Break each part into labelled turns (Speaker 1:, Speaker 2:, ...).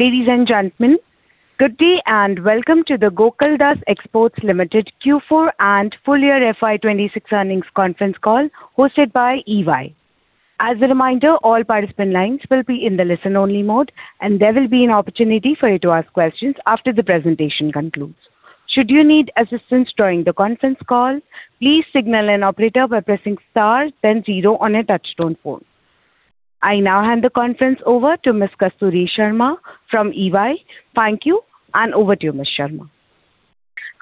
Speaker 1: Ladies and gentlemen, good day and welcome to the Gokaldas Exports Ltd. Q4 and full year FY 2026 earnings conference call hosted by EY. As a reminder, all participant lines will be in the listen-only mode, and there will be an opportunity for you to ask questions after the presentation concludes. Should you need assistance during the conference call, please signal an operator by pressing star, then zero on your touch-tone phone. I now hand the conference over to Ms. Kasturi Sharma from EY. Thank you, and over to you, Ms. Sharma.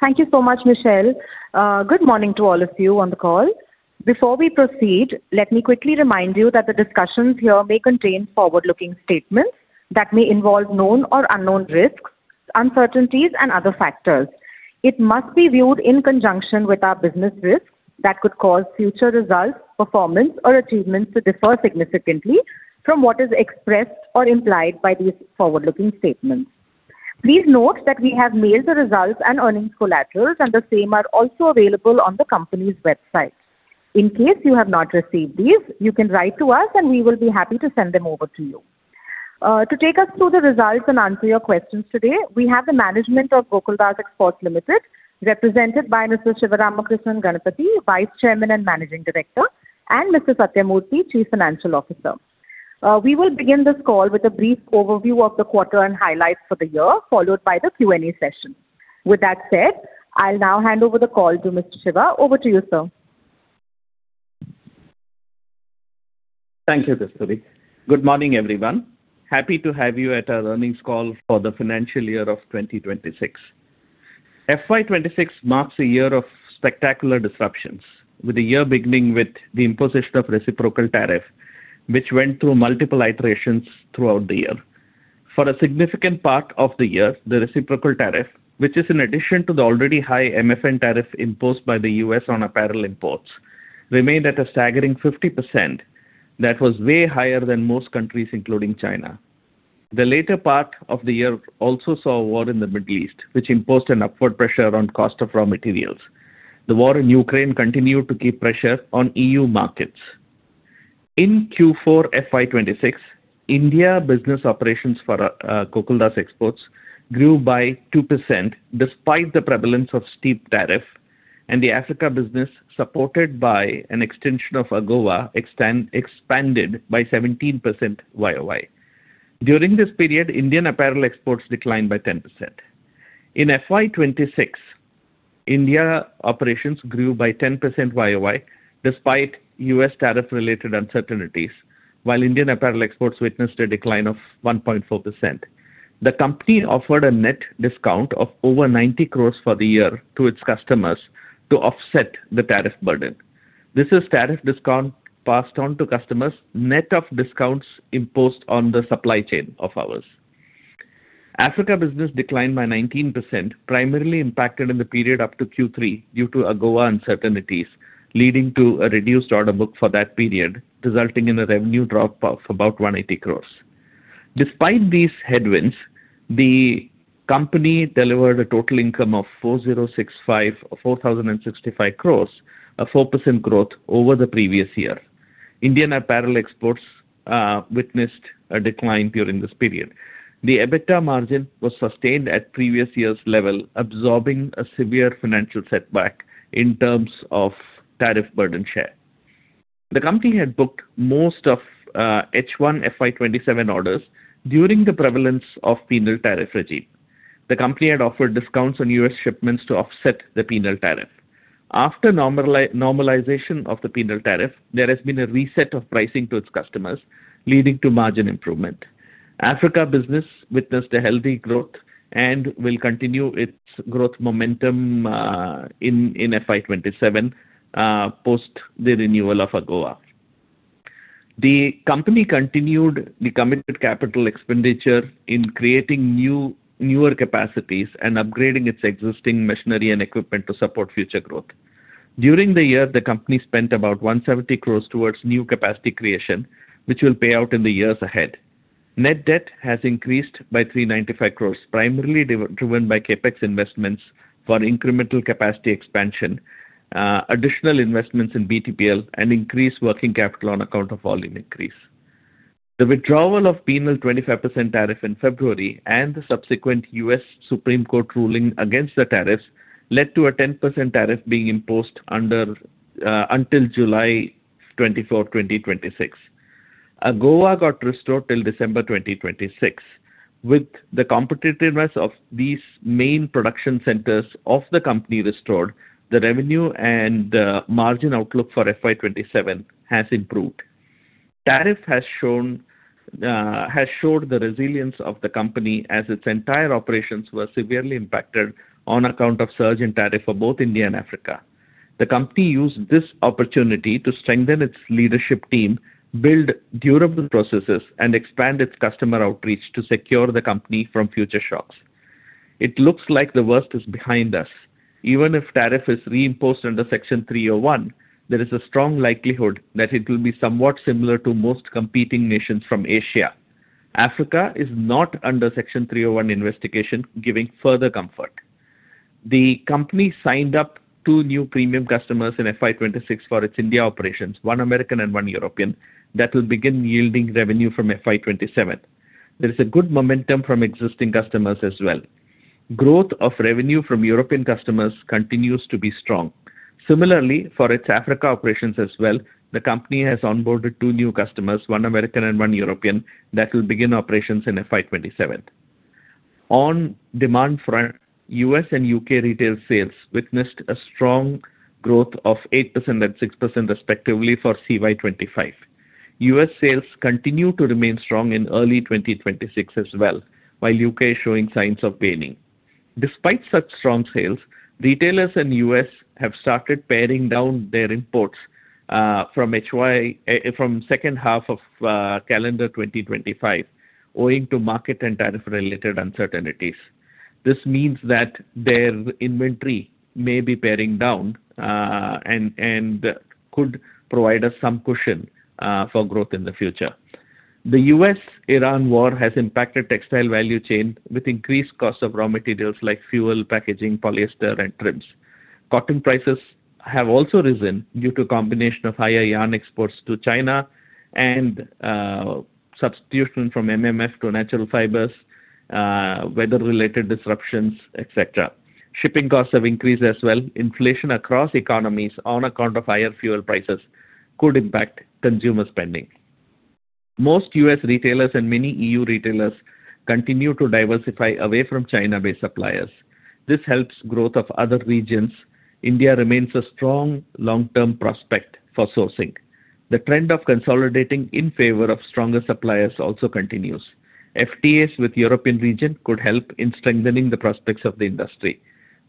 Speaker 2: Thank you so much, Michelle. Good morning to all of you on the call. Before we proceed, let me quickly remind you that the discussions here may contain forward-looking statements that may involve known or unknown risks, uncertainties, and other factors. It must be viewed in conjunction with our business risks that could cause future results, performance, or achievements to differ significantly from what is expressed or implied by these forward-looking statements. Please note that we have mailed the results and earnings collaterals, and the same are also available on the company's website. In case you have not received these, you can write to us, and we will be happy to send them over to you. To take us through the results and answer your questions today, we have the management of Gokaldas Exports Ltd. represented by Mr. Sivaramakrishnan Ganapathi, Vice Chairman and Managing Director, and Mr. Sathyamurthy, Chief Financial Officer. We will begin this call with a brief overview of the quarter and highlights for the year, followed by the Q&A session. With that said, I'll now hand over the call to Mr. Siva. Over to you, sir.
Speaker 3: Thank you, Kasturi. Good morning, everyone. Happy to have you at our earnings call for the financial year of 2026. FY 2026 marks a year of spectacular disruptions, with the year beginning with the imposition of reciprocal tariff, which went through multiple iterations throughout the year. For a significant part of the year, the reciprocal tariff, which is in addition to the already high MFN tariff imposed by the U.S. on apparel imports, remained at a staggering 50%. That was way higher than most countries, including China. The later part of the year also saw a war in the Middle East, which imposed an upward pressure on the cost of raw materials. The war in Ukraine continued to keep pressure on EU markets. In Q4 FY 2026, India business operations for Gokaldas Exports grew by 2% despite the prevalence of steep tariffs, and the Africa business, supported by an extension of AGOA, expanded by 17% YoY. During this period, Indian apparel exports declined by 10%. In FY 2026, India operations grew by 10% YoY despite U.S. tariff-related uncertainties, while Indian apparel exports witnessed a decline of 1.4%. The company offered a net discount of over 90 crores for the year to its customers to offset the tariff burden. This is a tariff discount passed on to customers, net of discounts imposed on the supply chain of ours. Africa business declined by 19%, primarily impacted in the period up to Q3 due to AGOA uncertainties, leading to a reduced order book for that period, resulting in a revenue drop of about 180 crores. Despite these headwinds, the company delivered a total income of 4,065 crore, a 4% growth over the previous year. Indian apparel exports witnessed a decline during this period. The EBITDA margin was sustained at previous year's level, absorbing a severe financial setback in terms of tariff burden share. The company had booked most of H1 FY 2027 orders during the prevalence of penal tariff regime. The company had offered discounts on U.S. shipments to offset the penal tariff. After normalization of the penal tariff, there has been a reset of pricing to its customers, leading to margin improvement. Africa business witnessed a healthy growth and will continue its growth momentum in FY 2027 post the renewal of AGOA. The company continued the committed capital expenditure in creating newer capacities and upgrading its existing machinery and equipment to support future growth. During the year, the company spent about 170 crores towards new capacity creation, which will pay out in the years ahead. Net debt has increased by 395 crores, primarily driven by CapEx investments for incremental capacity expansion, additional investments in BTPL, and increased working capital on account of volume increase. The withdrawal of the penal 25% tariff in February and the subsequent U.S. Supreme Court ruling against the tariffs led to a 10% tariff being imposed until July 24, 2026. AGOA got restored till December 2026. With the competitiveness of these main production centers of the company restored, the revenue and margin outlook for FY 2027 has improved. Tariff has shown the resilience of the company as its entire operations were severely impacted on account of the surge in tariffs for both India and Africa. The company used this opportunity to strengthen its leadership team, build durable processes, and expand its customer outreach to secure the company from future shocks. It looks like the worst is behind us. Even if tariffs are reimposed under Section 301, there is a strong likelihood that it will be somewhat similar to most competing nations from Asia. Africa is not under Section 301 investigation, giving further comfort. The company signed up two new premium customers in FY 2026 for its India operations, one American and one European, that will begin yielding revenue from FY 2027. There is a good momentum from existing customers as well. Growth of revenue from European customers continues to be strong. Similarly, for its Africa operations as well, the company has onboarded two new customers, one American and one European, that will begin operations in FY 2027. On demand front, U.S. and U.K. Retail sales witnessed a strong growth of 8% and 6%, respectively, for CY 2025. U.S. sales continue to remain strong in early 2026 as well, while U.K. is showing signs of waning. Despite such strong sales, retailers in the U.S. have started paring down their imports from the second half of calendar 2025, owing to market and tariff-related uncertainties. This means that their inventory may be paring down and could provide us some cushion for growth in the future. The U.S.-Iran war has impacted the textile value chain with increased costs of raw materials like fuel, packaging, polyester, and trims. Cotton prices have also risen due to a combination of higher yarn exports to China and substitution from MMF to natural fibers, weather-related disruptions, etc. Shipping costs have increased as well. Inflation across economies on account of higher fuel prices could impact consumer spending. Most U.S. retailers and many EU retailers continue to diversify away from China-based suppliers. This helps the growth of other regions. India remains a strong long-term prospect for sourcing. The trend of consolidating in favor of stronger suppliers also continues. FTAs with the European region could help in strengthening the prospects of the industry.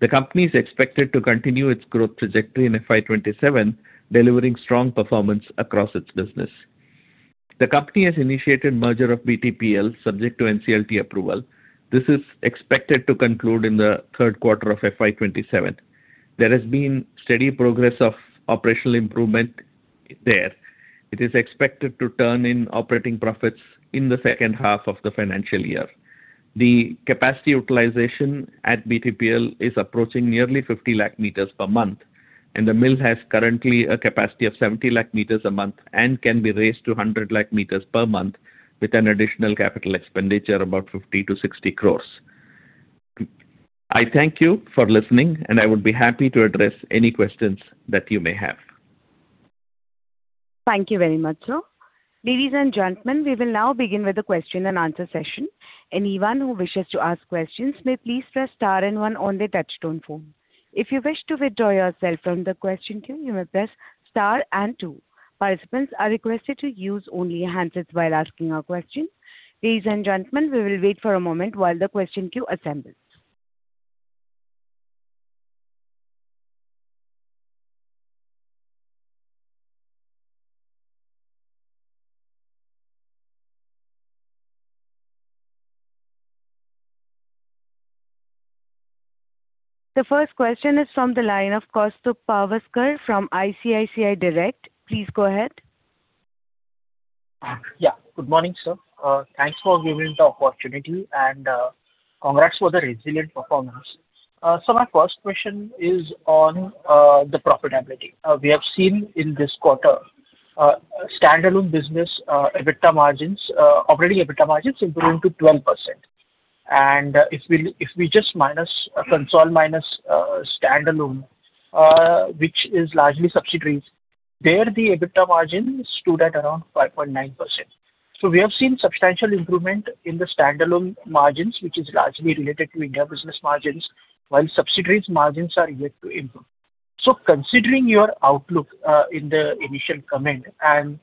Speaker 3: The company is expected to continue its growth trajectory in FY 2027, delivering strong performance across its business. The company has initiated the merger of BTPL, subject to NCLT approval. This is expected to conclude in the third quarter of FY 2027. There has been steady progress of operational improvement there. It is expected to turn in operating profits in the second half of the financial year. The capacity utilization at BTPL is approaching nearly 50 lakh meters per month, and the mill has currently a capacity of 70 lakh meters a month and can be raised to 100 lakh meters per month with an additional capital expenditure of about 50 crore-60 crore. I thank you for listening, and I would be happy to address any questions that you may have.
Speaker 1: Thank you very much, sir. Ladies and gentlemen, we will now begin with the question-and-answer session. Anyone who wishes to ask questions may please press star and one on their touchstone phone. If you wish to withdraw yourself from the question queue, you may press star and two. Participants are requested to use only handsets while asking a question. Ladies and gentlemen, we will wait for a moment while the question queue assembles. The first question is from the line of Kaustubh Pawaskar from ICICI Direct. Please go ahead.
Speaker 4: Yeah, good morning, sir. Thanks for giving the opportunity, and congrats for the resilient performance. My first question is on the profitability. We have seen in this quarter standalone business EBITDA margins, operating EBITDA margins improving to 12%. If we just minus consolidated minus standalone, which is largely subsidiaries, there the EBITDA margins stood at around 5.9%. We have seen substantial improvement in the standalone margins, which is largely related to India business margins, while subsidiaries' margins are yet to improve. Considering your outlook in the initial comment and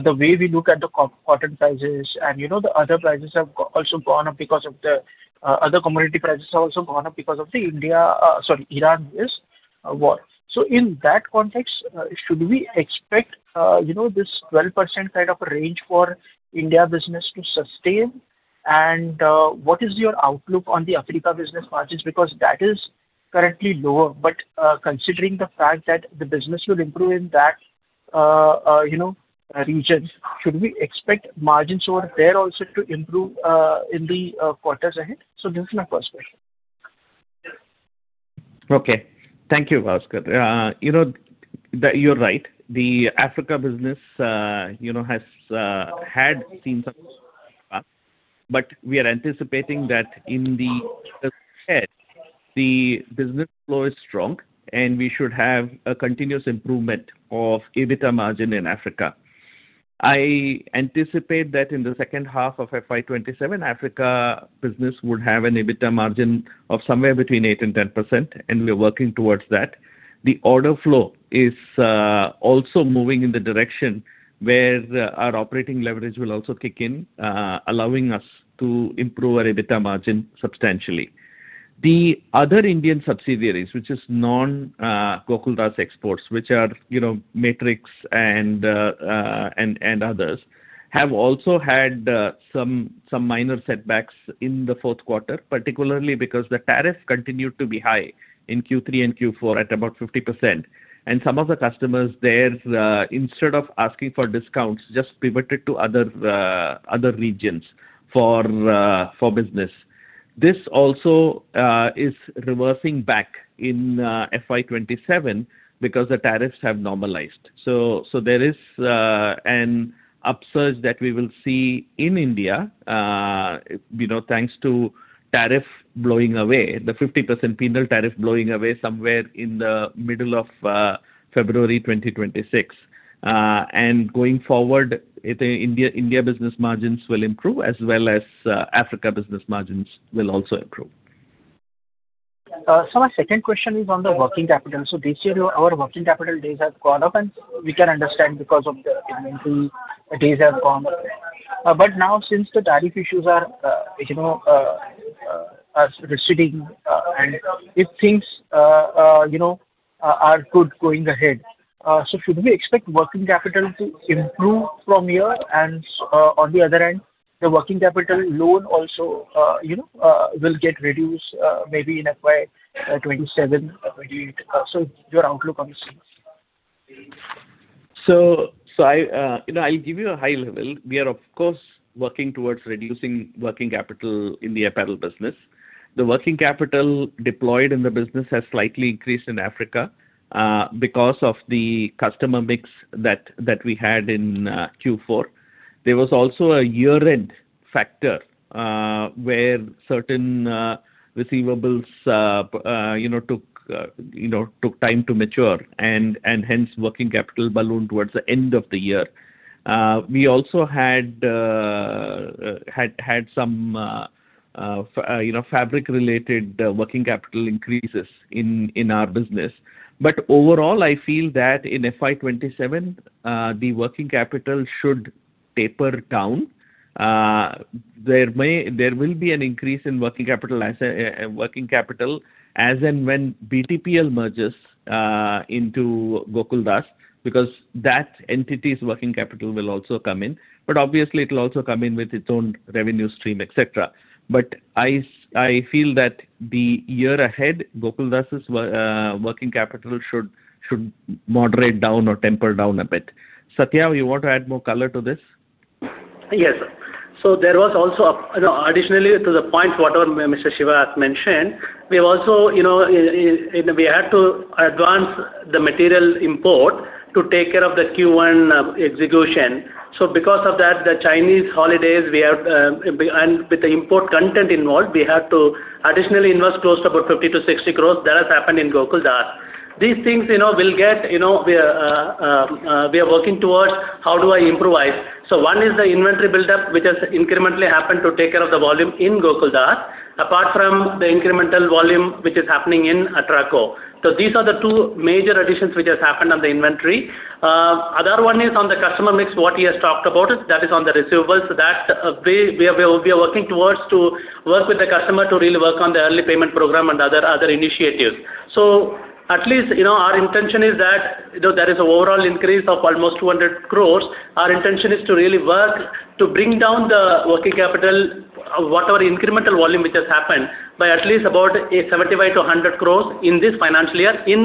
Speaker 4: the way we look at the cotton prices and the other prices have also gone up because of the other commodity prices have also gone up because of the Iran-U.S. war. In that context, should we expect this 12% kind of a range for India business to sustain? What is your outlook on the Africa business margins? Because that is currently lower. Considering the fact that the business will improve in that region, should we expect margins over there also to improve in the quarters ahead? This is my first question.
Speaker 3: Thank you, Kasturi. You're right. The Africa business has seen some growth in the past, but we are anticipating that in the U.S. the business flow is strong, and we should have a continuous improvement of the EBITDA margin in Africa. I anticipate that in the second half of FY 2027, Africa business would have an EBITDA margin of somewhere between 8%-10%, and we are working towards that. The order flow is also moving in the direction where our operating leverage will also kick in, allowing us to improve our EBITDA margin substantially. The other Indian subsidiaries, which are non-Gokaldas Exports, which are Matrix and others, have also had some minor setbacks in the fourth quarter, particularly because the tariff continued to be high in Q3 and Q4 at about 50%. Some of the customers there, instead of asking for discounts, just pivoted to other regions for business. This also is reversing back in FY 2027 because the tariffs have normalized. There is an upsurge that we will see in India thanks to tariffs blowing away, the 50% penal tariff blowing away somewhere in the middle of February 2026. Going forward, India business margins will improve, as well as Africa business margins will also improve.
Speaker 4: My second question is on the working capital. This year, our working capital days have gone up, and we can understand because of the inventory days have gone up. Now, since the tariff issues are receding and if things are good going ahead, should we expect working capital to improve from here? On the other hand, the working capital loan also will get reduced maybe in FY 2027, 2028? Your outlook on this thing?
Speaker 3: I'll give you a high level. We are, of course, working towards reducing working capital in the apparel business. The working capital deployed in the business has slightly increased in Africa because of the customer mix that we had in Q4. There was also a year-end factor where certain receivables took time to mature, and hence, the working capital ballooned towards the end of the year. We also had some fabric-related working capital increases in our business. Overall, I feel that in FY 2027, the working capital should taper down. There will be an increase in working capital as and when BTPL merges into Gokaldas Exports because that entity's working capital will also come in. Obviously, it will also come in with its own revenue stream, etc. I feel that the year ahead, Gokaldas Exports's working capital should moderate down or temper down a bit. Satya, you want to add more color to this?
Speaker 5: Yes, sir. There was also additionally, to the points whatever Mr. Siva mentioned, we also had to advance the material import to take care of the Q1 execution. Because of that, the Chinese holidays, and with the import content involved, we had to additionally invest close to about 50 crores-60 crores. That has happened in Gokaldas. These things will get we are working towards. How do I improvise? One is the inventory buildup, which has incrementally happened to take care of the volume in Gokaldas Exports, apart from the incremental volume which is happening in Atraco. These are the two major additions which have happened on the inventory. The other one is on the customer mix, what he has talked about. That is on the receivables. That we are working towards to work with the customer to really work on the early payment program and other initiatives. At least our intention is that there is an overall increase of almost 200 crore. Our intention is to really work to bring down the working capital, whatever incremental volume which has happened, by at least about 75 crore-100 crore in this financial year in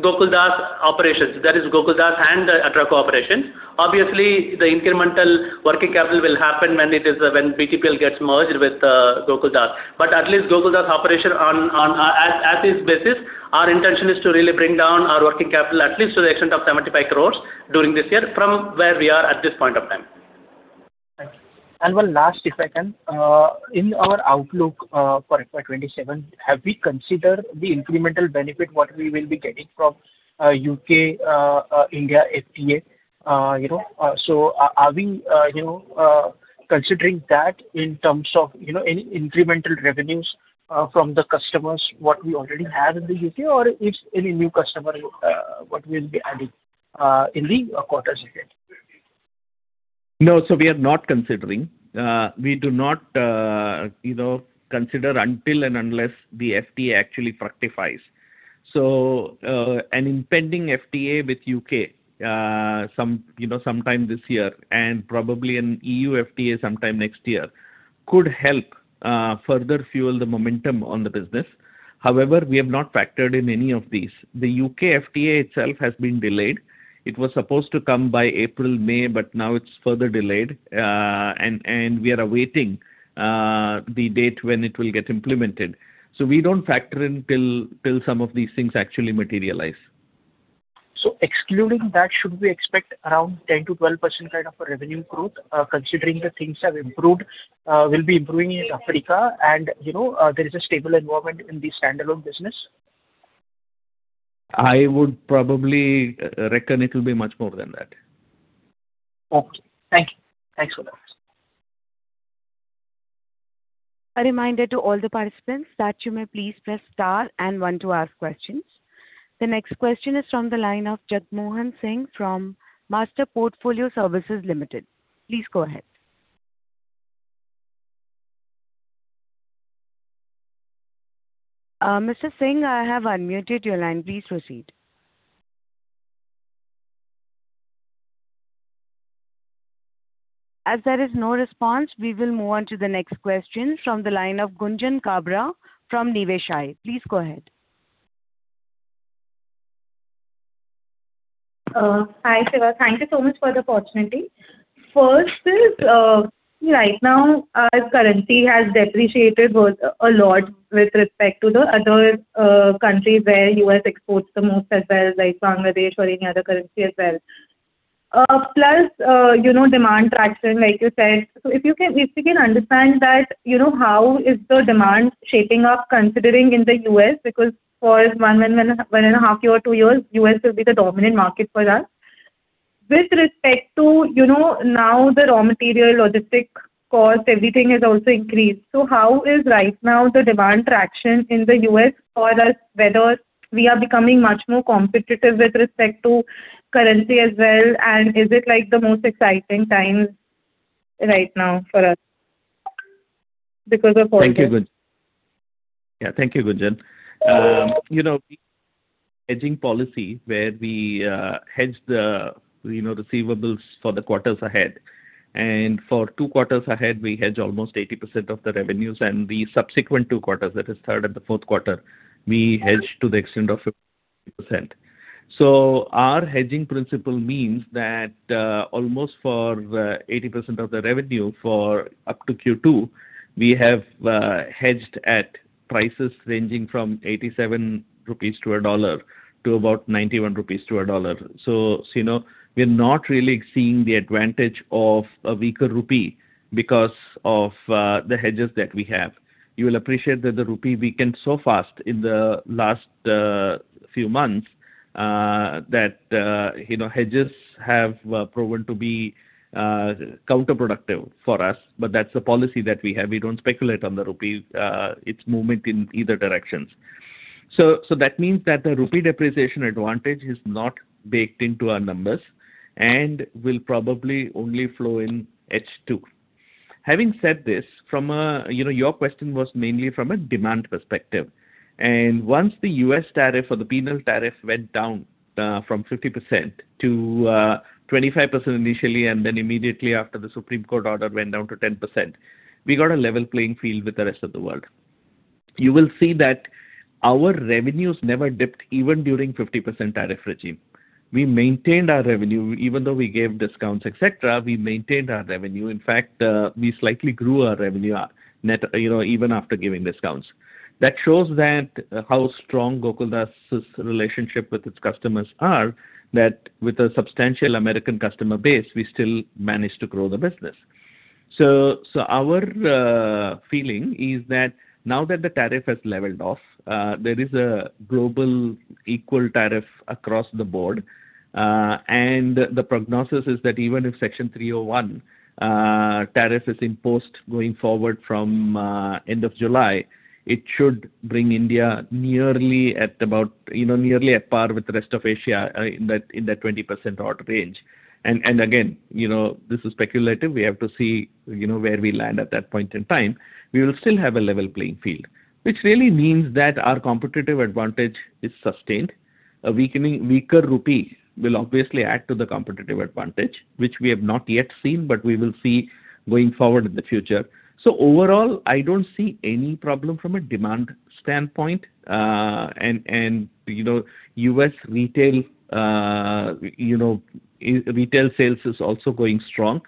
Speaker 5: Gokaldas Exports operations. That is Gokaldas and Atraco operations. Obviously, the incremental working capital will happen when BTPL gets merged with Gokaldas. At least Gokaldas operation, on this basis, our intention is to really bring down our working capital at least to the extent of 75 crore during this year from where we are at this point of time.
Speaker 4: Thank you. One last, if I can. In our outlook for FY 2027, have we considered the incremental benefit what we will be getting from U.K.-India FTA? Are we considering that in terms of any incremental revenues from the customers, what we already have in the U.K., or if any new customer, what will be added in the quarters ahead?
Speaker 3: No, we are not considering. We do not consider until and unless the FTA actually fructifies. An impending FTA with the U.K. sometime this year and probably an EU FTA sometime next year could help further fuel the momentum on the business. However, we have not factored in any of these. The U.K. FTA itself has been delayed. It was supposed to come by April, May, but now it's further delayed, and we are awaiting the date when it will get implemented. We don't factor in until some of these things actually materialize.
Speaker 4: Excluding that, should we expect around 10%-12% kind of a revenue growth considering the things have improved, will be improving in Africa, and there is a stable environment in the standalone business?
Speaker 3: I would probably reckon it will be much more than that.
Speaker 4: Okay. Thank you. Thanks for that.
Speaker 1: A reminder to all the participants that you may please press star and one to ask questions. The next question is from the line of Jagmohan Singh from Master Portfolio Services Limited. Please go ahead. Mr. Singh, I have unmuted your line. Please proceed. As there is no response, we will move on to the next question from the line of Gunjan Kabra from Niveshaay. Please go ahead.
Speaker 6: Hi, Siva. Thank you so much for the opportunity. Right now, our currency has depreciated a lot with respect to the other countries where the U.S. exports the most as well, like Bangladesh or any other currency as well. Demand traction, like you said. If we can understand that, how is the demand shaping up considering in the U.S.? For one and a half year or two years, the U.S. will be the dominant market for us. With respect to now the raw material logistic cost, everything has also increased. How is right now the demand traction in the U.S. for us, whether we are becoming much more competitive with respect to currency as well? Is it the most exciting time right now for us because of all this?
Speaker 3: Thank you, Gunjan. Hedging policy, where we hedge the receivables for the quarters ahead. For two quarters ahead, we hedge almost 80% of the revenues. The subsequent two quarters, that is third and the fourth quarter, we hedge to the extent of 50%. Our hedging principle means that almost for 80% of the revenue for up to Q2, we have hedged at prices ranging from 87 rupees to a dollar to about 91 rupees to $1. We're not really seeing the advantage of a weaker rupee because of the hedges that we have. You will appreciate that the rupee weakened so fast in the last few months that hedges have proven to be counterproductive for us. That's the policy that we have. We don't speculate on the rupee's movement in either direction. That means that the rupee depreciation advantage is not baked into our numbers and will probably only flow in H2. Having said this, your question was mainly from a demand perspective. Once the U.S. tariff or the penal tariff went down from 50% to 25% initially, and then immediately after the Supreme Court order went down to 10%, we got a level playing field with the rest of the world. You will see that our revenues never dipped even during the 50% tariff regime. We maintained our revenue even though we gave discounts, etc. We maintained our revenue. In fact, we slightly grew our revenue net even after giving discounts. That shows how strong Gokaldas's relationship with its customers are, that with a substantial American customer base, we still managed to grow the business. Our feeling is that now that the tariff has leveled off, there is a global equal tariff across the board. The prognosis is that even if Section 301 tariff is imposed going forward from the end of July, it should bring India nearly at about nearly at par with the rest of Asia in that 20% order range. Again, this is speculative. We have to see where we land at that point in time. We will still have a level playing field, which really means that our competitive advantage is sustained. A weaker rupee will obviously add to the competitive advantage, which we have not yet seen, but we will see going forward in the future. Overall, I don't see any problem from a demand standpoint. U.S. retail sales is also going strong.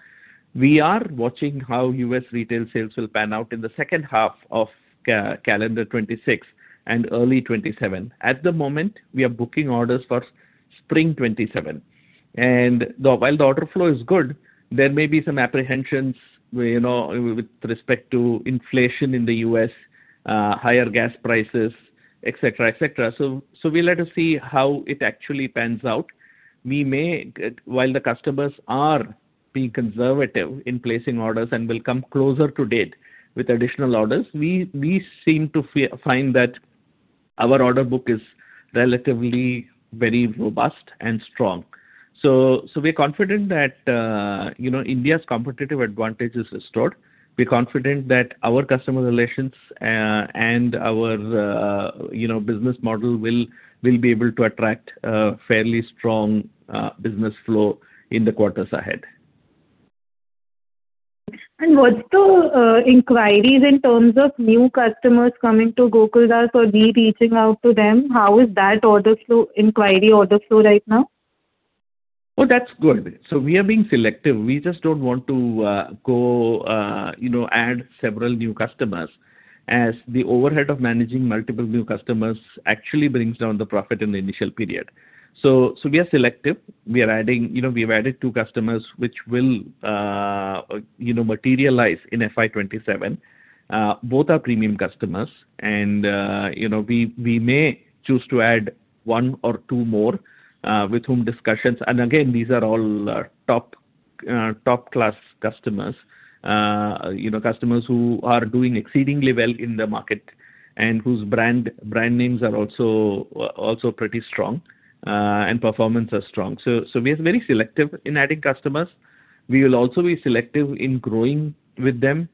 Speaker 3: We are watching how U.S. retail sales will pan out in the second half of calendar 2026 and early 2027. At the moment, we are booking orders for spring 2027. While the order flow is good, there may be some apprehensions with respect to inflation in the U.S., higher gas prices, etc., etc. We'll have to see how it actually pans out. While the customers are being conservative in placing orders and will come closer to date with additional orders, we seem to find that our order book is relatively very robust and strong. We're confident that India's competitive advantage is restored. We're confident that our customer relations and our business model will be able to attract fairly strong business flow in the quarters ahead.
Speaker 6: What's the inquiries in terms of new customers coming to Gokaldas or reaching out to them? How is that order flow, inquiry order flow right now?
Speaker 3: Oh, that's good. We are being selective. We just don't want to go add several new customers as the overhead of managing multiple new customers actually brings down the profit in the initial period. We are selective. We have added two customers which will materialize in FY 2027. Both are premium customers. We may choose to add one or two more with whom discussions. Again, these are all top-class customers who are doing exceedingly well in the market and whose brand names are also pretty strong and performance are strong. We are very selective in adding customers. We will also be selective in growing with them.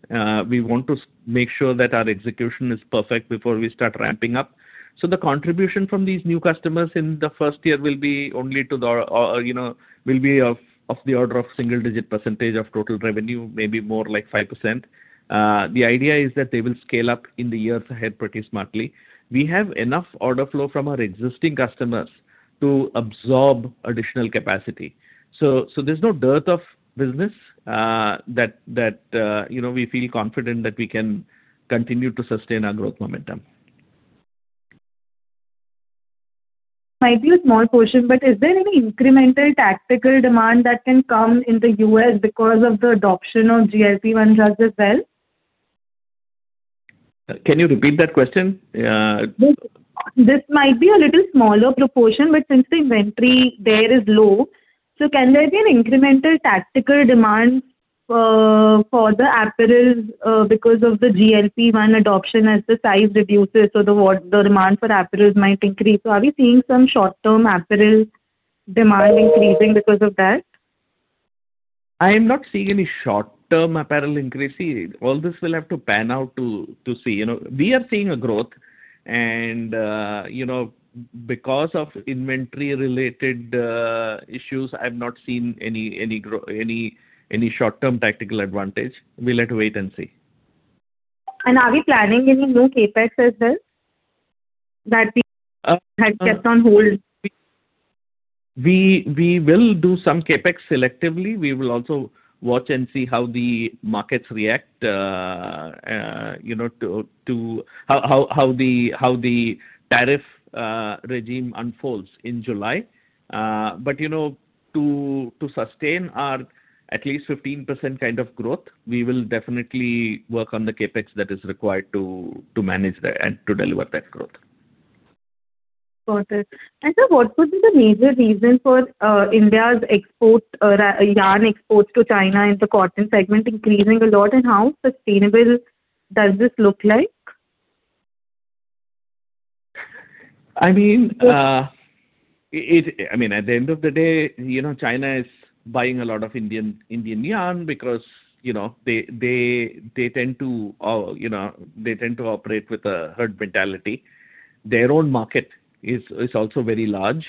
Speaker 3: We want to make sure that our execution is perfect before we start ramping up. The contribution from these new customers in the first year will be of the order of a single-digit percentage of total revenue, maybe more like 5%. The idea is that they will scale up in the years ahead pretty smartly. We have enough order flow from our existing customers to absorb additional capacity. There's no dearth of business that we feel confident that we can continue to sustain our growth momentum.
Speaker 6: Might be a small portion, but is there any incremental tactical demand that can come in the U.S. because of the adoption of GLP-1 drugs as well?
Speaker 3: Can you repeat that question?
Speaker 6: This might be a little smaller proportion, but since the inventory there is low, can there be an incremental tactical demand for the apparel because of the GLP-1 adoption as the size reduces or the demand for apparel might increase? Are we seeing some short-term apparel demand increasing because of that?
Speaker 3: I am not seeing any short-term apparel increase. All this will have to pan out to see. We are seeing a growth. Because of inventory-related issues, I have not seen any short-term tactical advantage. We'll have to wait and see.
Speaker 6: Are we planning any new CapEx as well that we had kept on hold?
Speaker 3: We will do some CapEx selectively. We will also watch and see how the markets react to how the tariff regime unfolds in July. To sustain our at least 15% kind of growth, we will definitely work on the CapEx that is required to manage that and to deliver that growth.
Speaker 6: Got it. What would be the major reason for India's yarn exports to China in the cotton segment increasing a lot? How sustainable does this look like?
Speaker 3: I mean, at the end of the day, China is buying a lot of Indian yarn because they tend to operate with a herd mentality. Their own market is also very large.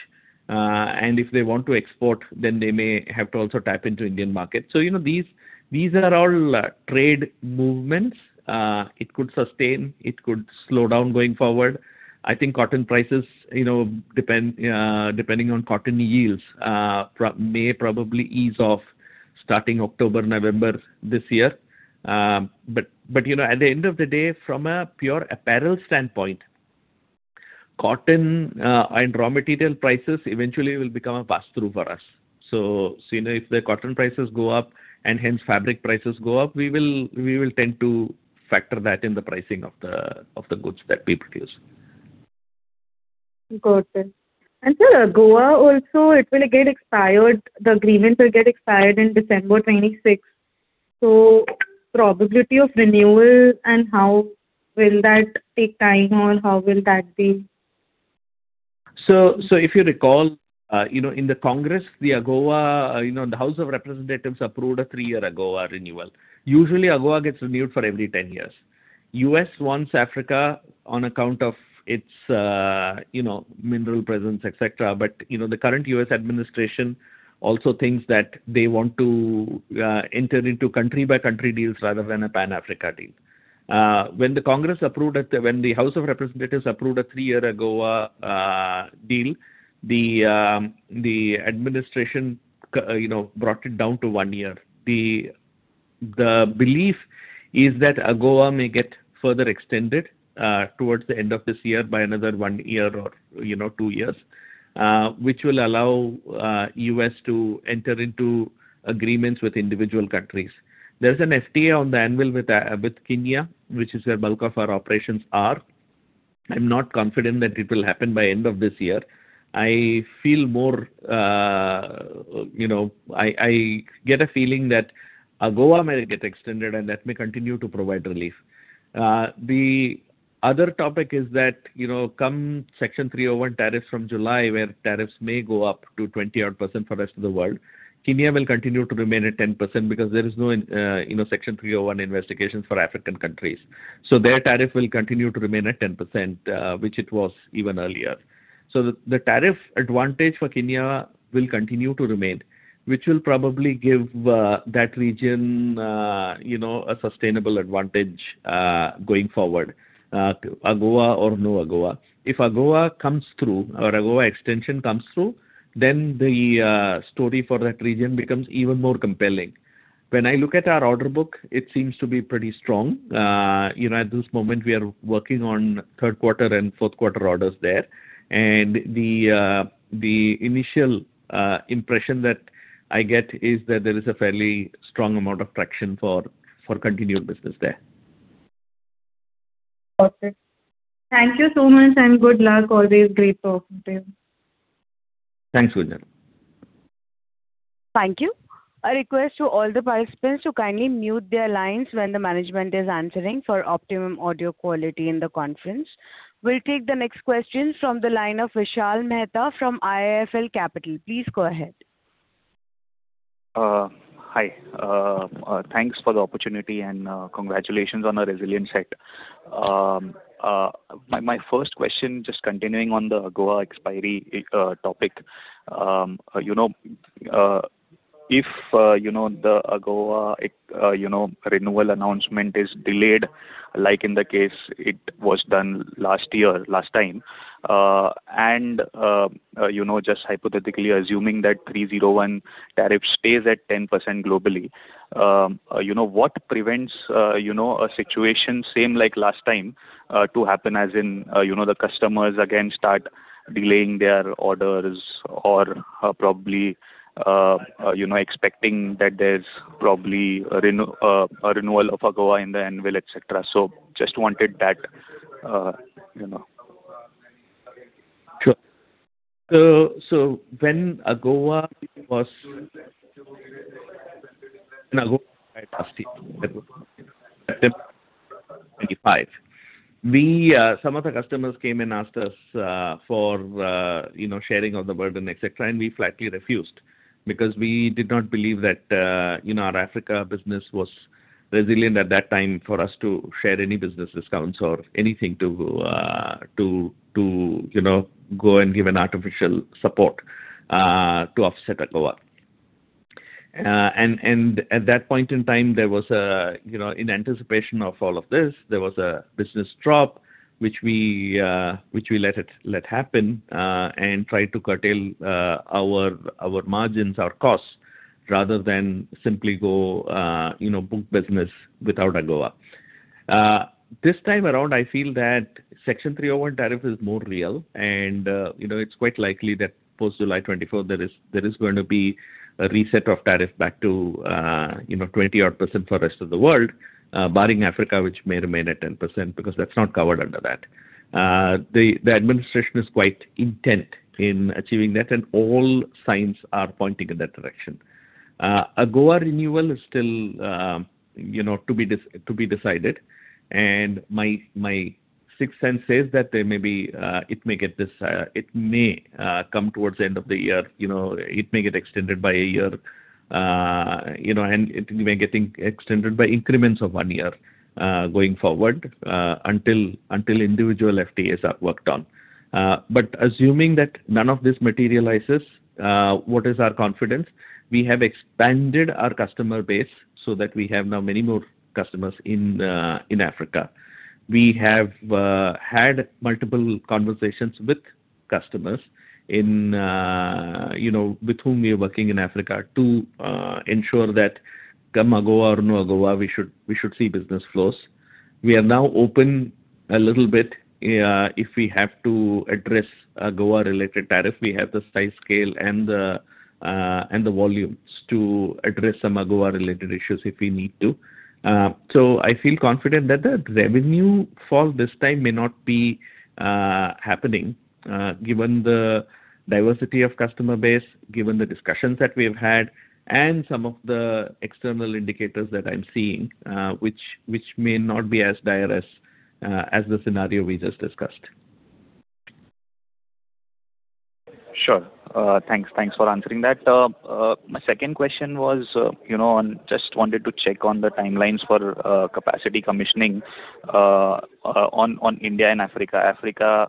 Speaker 3: If they want to export, then they may have to also tap into the Indian market. These are all trade movements. It could sustain. It could slow down going forward. I think cotton prices depending on cotton yields may probably ease off starting October, November this year. At the end of the day, from a pure apparel standpoint, cotton and raw material prices eventually will become a pass-through for us. If the cotton prices go up and hence fabric prices go up, we will tend to factor that in the pricing of the goods that we produce.
Speaker 6: Got it. For AGOA, also, it will get expired. The agreements will get expired in December 2026. Probability of renewal and how will that take time or how will that be?
Speaker 3: If you recall, in the Congress, the AGOA, the House of Representatives approved a three-year AGOA renewal. Usually, AGOA gets renewed for every 10 years. The U.S. wants Africa on account of its mineral presence, etc. The current U.S. administration also thinks that they want to enter into country-by-country deals rather than a pan-African deal. When the U.S. House of Representatives approved a three-year AGOA deal, the administration brought it down to one year. The belief is that AGOA may get further extended towards the end of this year by another one year or two years, which will allow the U.S. to enter into agreements with individual countries. There's an FTA on the annual with Kenya, which is where bulk of our operations are. I'm not confident that it will happen by the end of this year. I feel more I get a feeling that AGOA may get extended, and that may continue to provide relief. The other topic is that come Section 301 tariffs from July, where tariffs may go up to 20-odd% for the rest of the world, Kenya will continue to remain at 10% because there is no Section 301 investigations for African countries. Their tariff will continue to remain at 10%, which it was even earlier. The tariff advantage for Kenya will continue to remain, which will probably give that region a sustainable advantage going forward, AGOA or no AGOA. If AGOA comes through or AGOA extension comes through, then the story for that region becomes even more compelling. When I look at our order book, it seems to be pretty strong. At this moment, we are working on third-quarter and fourth-quarter orders there. The initial impression that I get is that there is a fairly strong amount of traction for continued business there.
Speaker 6: Got it. Thank you so much, and good luck. Always great talking to you.
Speaker 3: Thanks, Gunjan.
Speaker 1: Thank you. A request to all the participants to kindly mute their lines when the management is answering for optimum audio quality in the conference. We'll take the next question from the line of Vishal Mehta from IIFL Capital. Please go ahead.
Speaker 7: Hi. Thanks for the opportunity and congratulations on a resilient set. My first question, just continuing on the AGOA expiry topic, if the AGOA renewal announcement is delayed like in the case it was done last time, and just hypothetically assuming that 301 tariff stays at 10% globally, what prevents a situation the same like last time to happen as in the customers again start delaying their orders or probably expecting that there's probably a renewal of AGOA in the annual, etc.? Just wanted that.
Speaker 3: Sure. When AGOA was in AGOA last year, September 2025, some of the customers came and asked us for sharing of the burden, etc., we flatly refused because we did not believe that our Africa business was resilient at that time for us to share any business discounts or anything to go and give an artificial support to offset AGOA. At that point in time, in anticipation of all of this, there was a business drop, which we let happen and tried to curtail our margins, our costs, rather than simply go book business without AGOA. This time around, I feel that Section 301 tariff is more real. It's quite likely that post-July 2024, there is going to be a reset of tariff back to 20-odd% for the rest of the world, barring Africa, which may remain at 10% because that's not covered under that. The administration is quite intent in achieving that, and all signs are pointing in that direction. AGOA renewal is still to be decided. My sixth sense says that it may come towards the end of the year. It may get extended by a year. It may get extended by increments of one year going forward until individual FTAs are worked on. Assuming that none of this materializes, what is our confidence? We have expanded our customer base so that we have now many more customers in Africa. We have had multiple conversations with customers with whom we are working in Africa to ensure that come AGOA or no AGOA, we should see business flows. We are now open a little bit if we have to address AGOA-related tariffs. We have the size scale and the volumes to address some AGOA-related issues if we need to. I feel confident that the revenue fall this time may not be happening given the diversity of customer base, given the discussions that we have had, and some of the external indicators that I'm seeing, which may not be as dire as the scenario we just discussed.
Speaker 7: Sure. Thanks for answering that. My second question was I just wanted to check on the timelines for capacity commissioning on India and Africa. Africa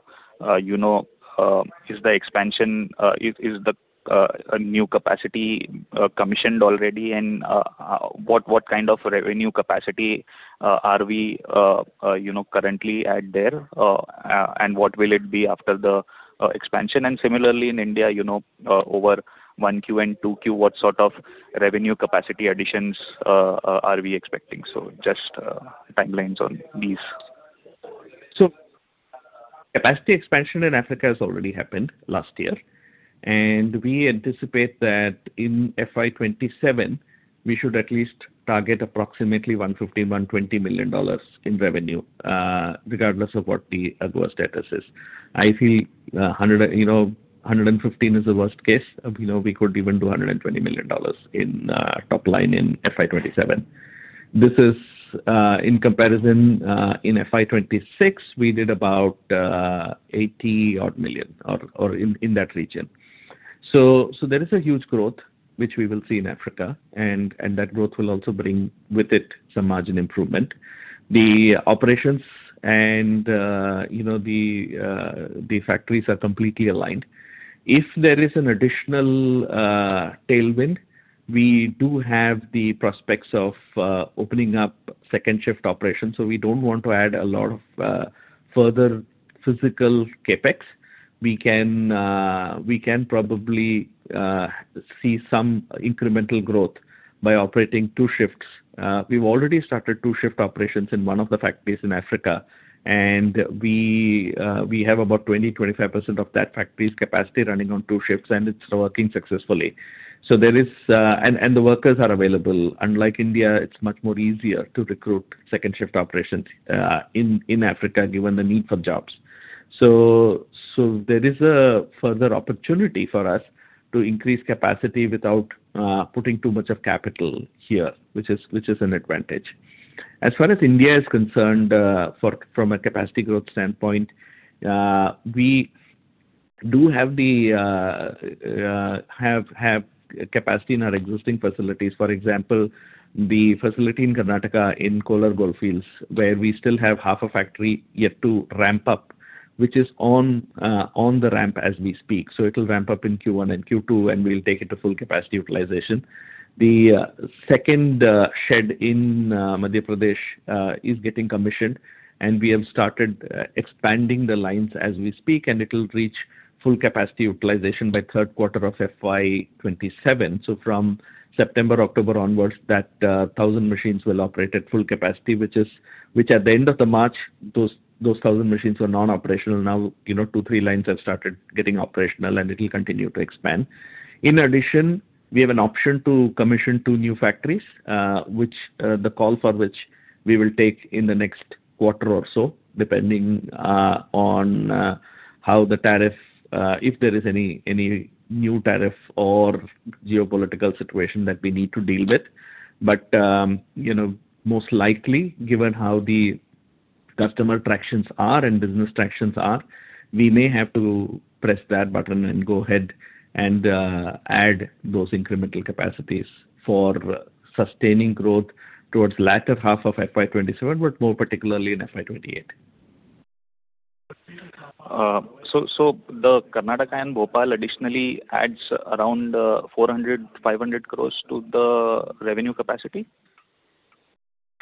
Speaker 7: is the new capacity commissioned already? What kind of revenue capacity are we currently at there? What will it be after the expansion? Similarly, in India, over 1Q and 2Q, what sort of revenue capacity additions are we expecting? Just timelines on these.
Speaker 3: Capacity expansion in Africa has already happened last year. We anticipate that in FY 2027, we should at least target approximately $115 million, $120 million in revenue regardless of what the AGOA status is. I feel $115 million is the worst case. We could even do $120 million top line in FY 2027. In comparison, in FY 2026, we did about $80-odd million or in that region. There is a huge growth, which we will see in Africa. That growth will also bring with it some margin improvement. The operations and the factories are completely aligned. If there is an additional tailwind, we do have the prospects of opening up second shift operations. We don't want to add a lot of further physical CapEx. We can probably see some incremental growth by operating two shifts. We've already started two shift operations in one of the factories in Africa. We have about 20%, 25% of that factory's capacity running on two shifts, and it's working successfully. The workers are available. Unlike India, it's much more easier to recruit second shift operations in Africa given the need for jobs. There is a further opportunity for us to increase capacity without putting too much of capital here, which is an advantage. As far as India is concerned, from a capacity growth standpoint, we do have capacity in our existing facilities. For example, the facility in Karnataka in Kolar Gold Fields, where we still have half a factory yet to ramp up, which is on the ramp as we speak. It will ramp up in Q1 and Q2, and we'll take it to full capacity utilization. The second shed in Madhya Pradesh is getting commissioned. We have started expanding the lines as we speak. It will reach full capacity utilization by the third quarter of FY 2027. From September, October onwards, that 1,000 machines will operate at full capacity, which at the end of March, those 1,000 machines were non-operational. Two, three lines have started getting operational, and it will continue to expand. In addition, we have an option to commission two new factories, the call for which we will take in the next quarter or so, depending on how the tariff if there is any new tariff or geopolitical situation that we need to deal with. Most likely, given how the customer tractions are and business tractions are, we may have to press that button and go ahead and add those incremental capacities for sustaining growth towards the latter half of FY 2027, but more particularly in FY 2028.
Speaker 7: The Karnataka and Bhopal additionally adds around 400 crore-500 crore to the revenue capacity?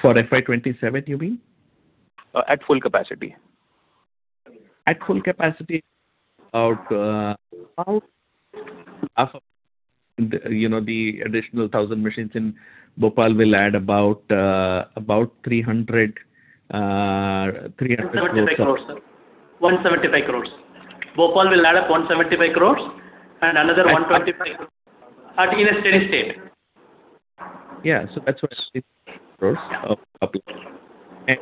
Speaker 3: For FY 2027, you mean?
Speaker 7: At full capacity.
Speaker 3: At full capacity. About half of the additional 1,000 machines in Bhopal will add about 300 crores.
Speaker 5: 175 crores, sir. 175 crores. Bhopal will add up 175 crores and another 125 crores in a steady state.
Speaker 3: Yeah. That's what 175 crores will apply.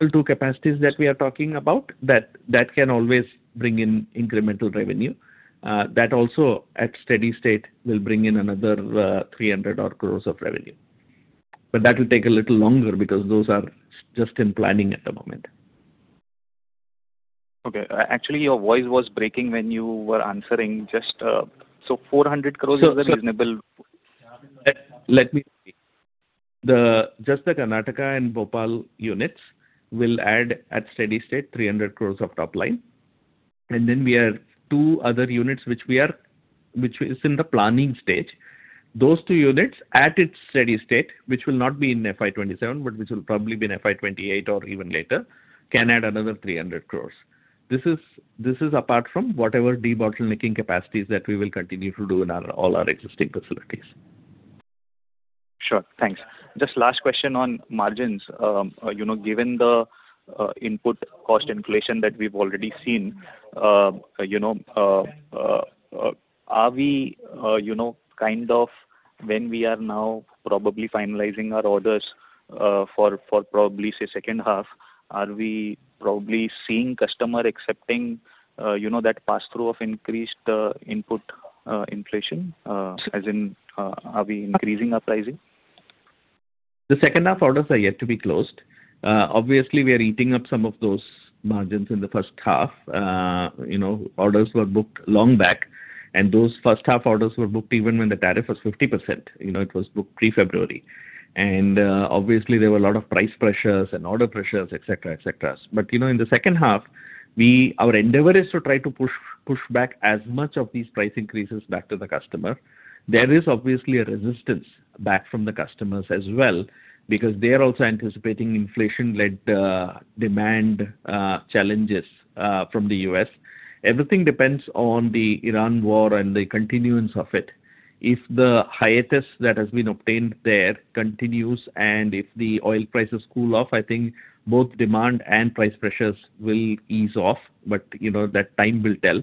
Speaker 3: The two capacities that we are talking about, that can always bring in incremental revenue. That also, at steady state, will bring in another 300-odd crores of revenue. That will take a little longer because those are just in planning at the moment.
Speaker 7: Okay. Actually, your voice was breaking when you were answering. 400 crores is a reasonable.
Speaker 3: Let me see. Just the Karnataka and Bhopal units will add, at steady state, 300 crores of top line. We have two other units, which is in the planning stage. Those two units, at its steady state, which will not be in FY 2027, but which will probably be in FY 2028 or even later, can add another 300 crores. This is apart from whatever debottlenecking capacities that we will continue to do in all our existing facilities.
Speaker 7: Sure. Thanks. Just last question on margins. Given the input cost inflation that we've already seen, are we kind of when we are now probably finalizing our orders for probably, say, second half, are we probably seeing customers accepting that pass-through of increased input inflation? As in, are we increasing our pricing?
Speaker 3: The second half orders are yet to be closed. Obviously, we are eating up some of those margins in the first half. Orders were booked long back. Those first half orders were booked even when the tariff was 50%. It was booked pre-February. Obviously, there were a lot of price pressures and order pressures, etc., etc. In the second half, our endeavor is to try to push back as much of these price increases back to the customer. There is obviously a resistance back from the customers as well because they are also anticipating inflation-led demand challenges from the U.S. Everything depends on the Iran war and the continuance of it. If the hiatus that has been obtained there continues and if the oil prices cool off, I think both demand and price pressures will ease off. That time will tell.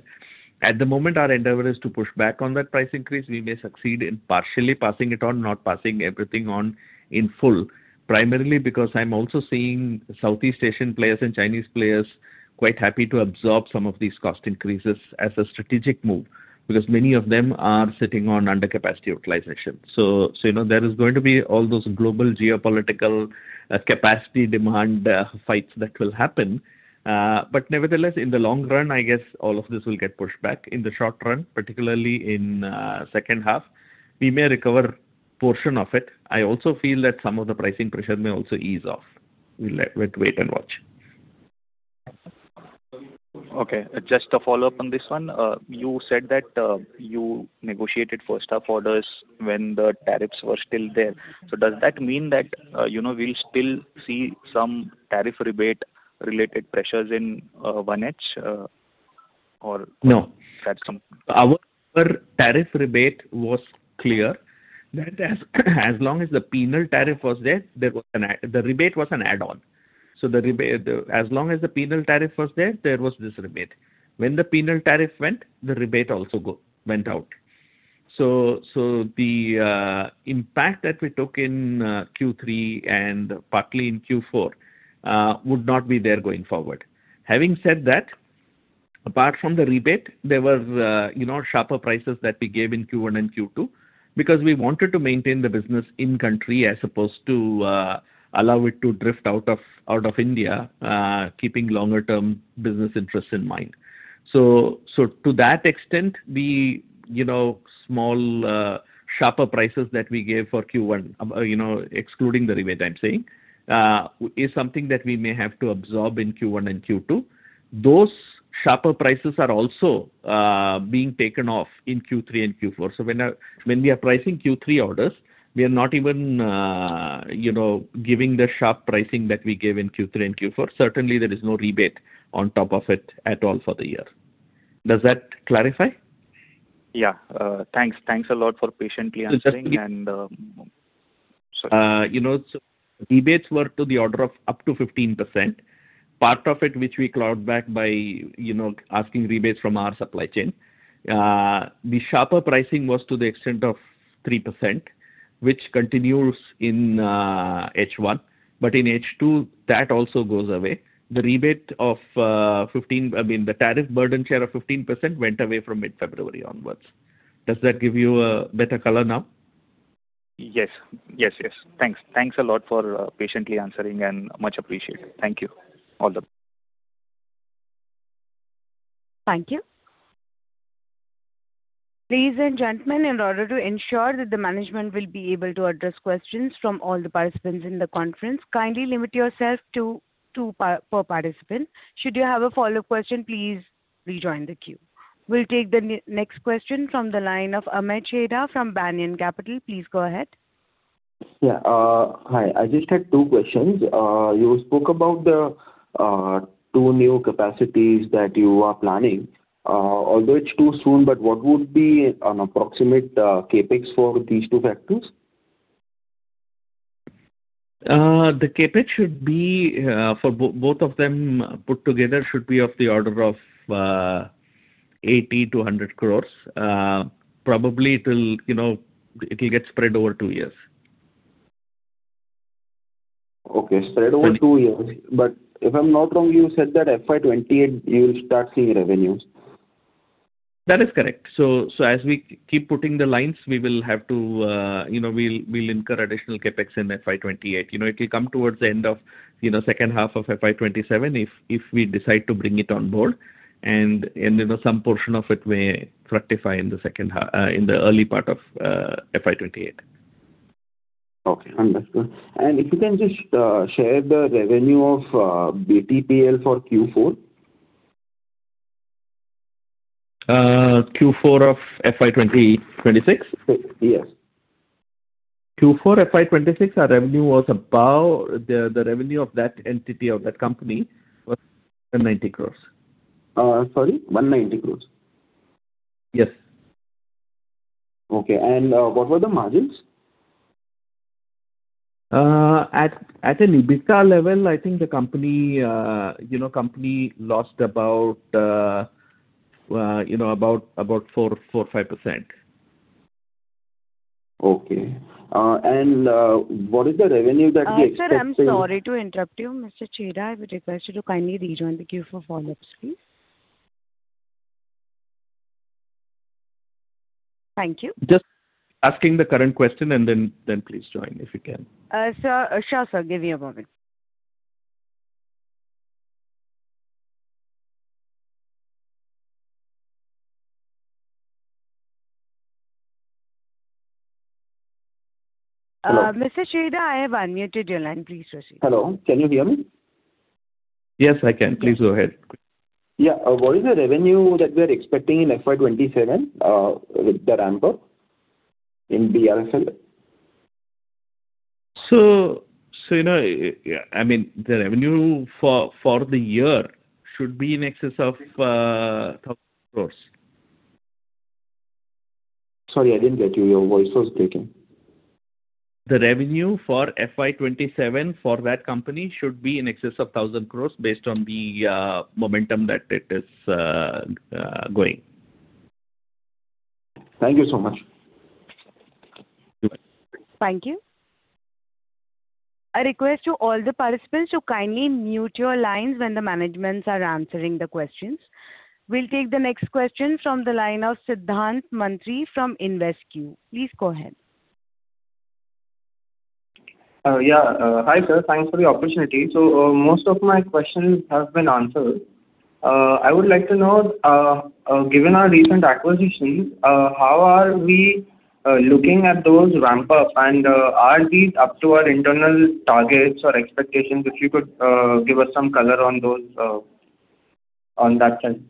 Speaker 3: At the moment, our endeavor is to push back on that price increase. We may succeed in partially passing it on, not passing everything on in full, primarily because I'm also seeing Southeast Asian players and Chinese players quite happy to absorb some of these cost increases as a strategic move because many of them are sitting on undercapacity utilization. There is going to be all those global geopolitical capacity demand fights that will happen. Nevertheless, in the long run, I guess all of this will get pushed back. In the short run, particularly in second half, we may recover a portion of it. I also feel that some of the pricing pressure may also ease off. We'll wait and watch.
Speaker 7: Okay. Just to follow up on this one, you said that you negotiated first half orders when the tariffs were still there. Does that mean that we'll still see some tariff rebate-related pressures in rebate or that's something?
Speaker 3: No. Our tariff rebate was clear. As long as the penal tariff was there, the rebate was an add-on. As long as the penal tariff was there was this rebate. When the penal tariff went, the rebate also went out. The impact that we took in Q3 and partly in Q4 would not be there going forward. Having said that, apart from the rebate, there were sharper prices that we gave in Q1 and Q2 because we wanted to maintain the business in-country as opposed to allow it to drift out of India, keeping longer-term business interests in mind. To that extent, small sharper prices that we gave for Q1, excluding the rebate, I'm saying, is something that we may have to absorb in Q1 and Q2. Those sharper prices are also being taken off in Q3 and Q4. When we are pricing Q3 orders, we are not even giving the sharp pricing that we gave in Q3 and Q4. Certainly, there is no rebate on top of it at all for the year. Does that clarify?
Speaker 7: Yeah. Thanks. Thanks a lot for patiently answering. Sorry.
Speaker 3: Rebates were to the order of up to 15%, part of it which we clawed back by asking rebates from our supply chain. The sharper pricing was to the extent of 3%, which continues in H1. In H2, that also goes away. The rebate of 15% I mean, the tariff burden share of 15% went away from mid-February onwards. Does that give you a better color now?
Speaker 7: Yes. Yes, yes. Thanks a lot for patiently answering, and much appreciated. Thank you. All the best.
Speaker 1: Thank you. Ladies and gentlemen, in order to ensure that the management will be able to address questions from all the participants in the conference, kindly limit yourself to two per participant. Should you have a follow-up question, please rejoin the queue. We'll take the next question from the line of Amey Chheda from Banyan Capital. Please go ahead.
Speaker 8: Yeah. Hi. I just had two questions. You spoke about the two new capacities that you are planning. Although it's too soon, what would be an approximate CapEx for these two factories?
Speaker 3: The CapEx should be for both of them put together should be of the order of 80-100 crores. Probably, it will get spread over two years.
Speaker 8: Okay. Spread over two years. If I'm not wrong, you said that FY 2028, you'll start seeing revenues.
Speaker 3: That is correct. As we keep putting the lines, we'll incur additional CapEx in FY 2028. It will come towards the end of second half of FY 2027 if we decide to bring it on board. Some portion of it may fructify in the early part of FY 2028.
Speaker 8: Okay. Understood. If you can just share the revenue of BTPL for Q4.
Speaker 3: Q4 of FY 2026?
Speaker 8: Yes.
Speaker 3: Q4 FY 2026, the revenue of that entity or that company was 190 crores.
Speaker 8: Sorry? 190 crores?
Speaker 3: Yes.
Speaker 8: Okay. What were the margins?
Speaker 3: At an EBITDA level, I think the company lost about 4%, 5%.
Speaker 8: Okay. What is the revenue that we expected?
Speaker 1: Sir, I'm sorry to interrupt you. Mr. Chheda, I would request you to kindly rejoin the queue for follow-ups, please. Thank you.
Speaker 3: Just asking the current question, and then please join if you can.
Speaker 1: Sir, give me a moment.
Speaker 8: Hello?
Speaker 1: Mr. Chheda, I have unmuted your line. Please proceed.
Speaker 8: Hello. Can you hear me?
Speaker 3: Yes, I can. Please go ahead.
Speaker 8: Yeah. What is the revenue that we are expecting in FY 2027 with the ramp-up in BRFL?
Speaker 3: I mean, the revenue for the year should be in excess of 1,000 crores.
Speaker 8: Sorry, I didn't get you. Your voice was breaking.
Speaker 3: The revenue for FY 2027 for that company should be in excess of 1,000 crores based on the momentum that it is going.
Speaker 8: Thank you so much.
Speaker 1: Thank you. I request all the participants to kindly mute your lines when the managements are answering the questions. We will take the next question from the line of Siddhant Mantri from InvesQ. Please go ahead.
Speaker 9: Yeah. Hi, sir. Thanks for the opportunity. Most of my questions have been answered. I would like to know, given our recent acquisitions, how are we looking at those ramp-ups? Are these up to our internal targets or expectations? If you could give us some color on that side.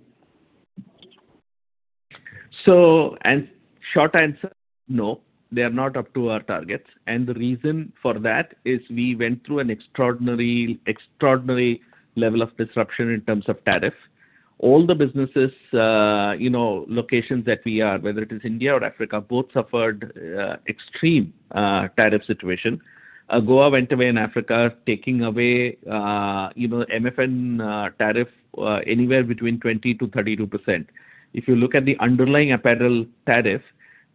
Speaker 3: Short answer, no. They are not up to our targets. The reason for that is we went through an extraordinary level of disruption in terms of tariff. All the businesses, locations that we are, whether it is India or Africa, both suffered an extreme tariff situation. AGOA went away in Africa, taking away MFN tariff anywhere between 20%-32%. If you look at the underlying apparel tariff,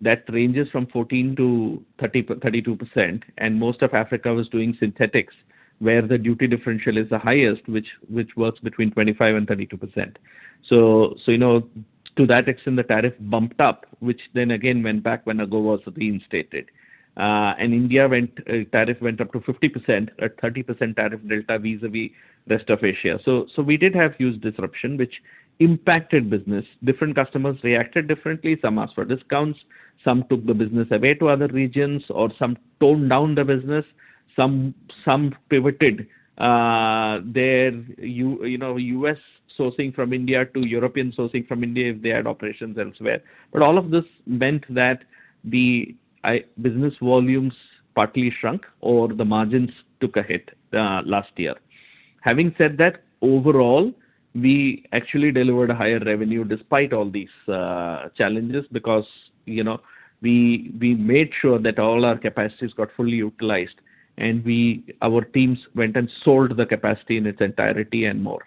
Speaker 3: that ranges from 14%-32%. Most of Africa was doing synthetics, where the duty differential is the highest, which works between 25%-32%. To that extent, the tariff bumped up, which then again went back when AGOA was reinstated. India tariff went up to 50%, a 30% tariff delta vis-à-vis the rest of Asia. We did have huge disruption, which impacted business. Different customers reacted differently. Some asked for discounts. Some took the business away to other regions, or some toned down the business. Some pivoted their U.S. sourcing from India to European sourcing from India if they had operations elsewhere. All of this meant that the business volumes partly shrunk or the margins took a hit last year. Having said that, overall, we actually delivered a higher revenue despite all these challenges because we made sure that all our capacities got fully utilized, and our teams went and sold the capacity in its entirety and more.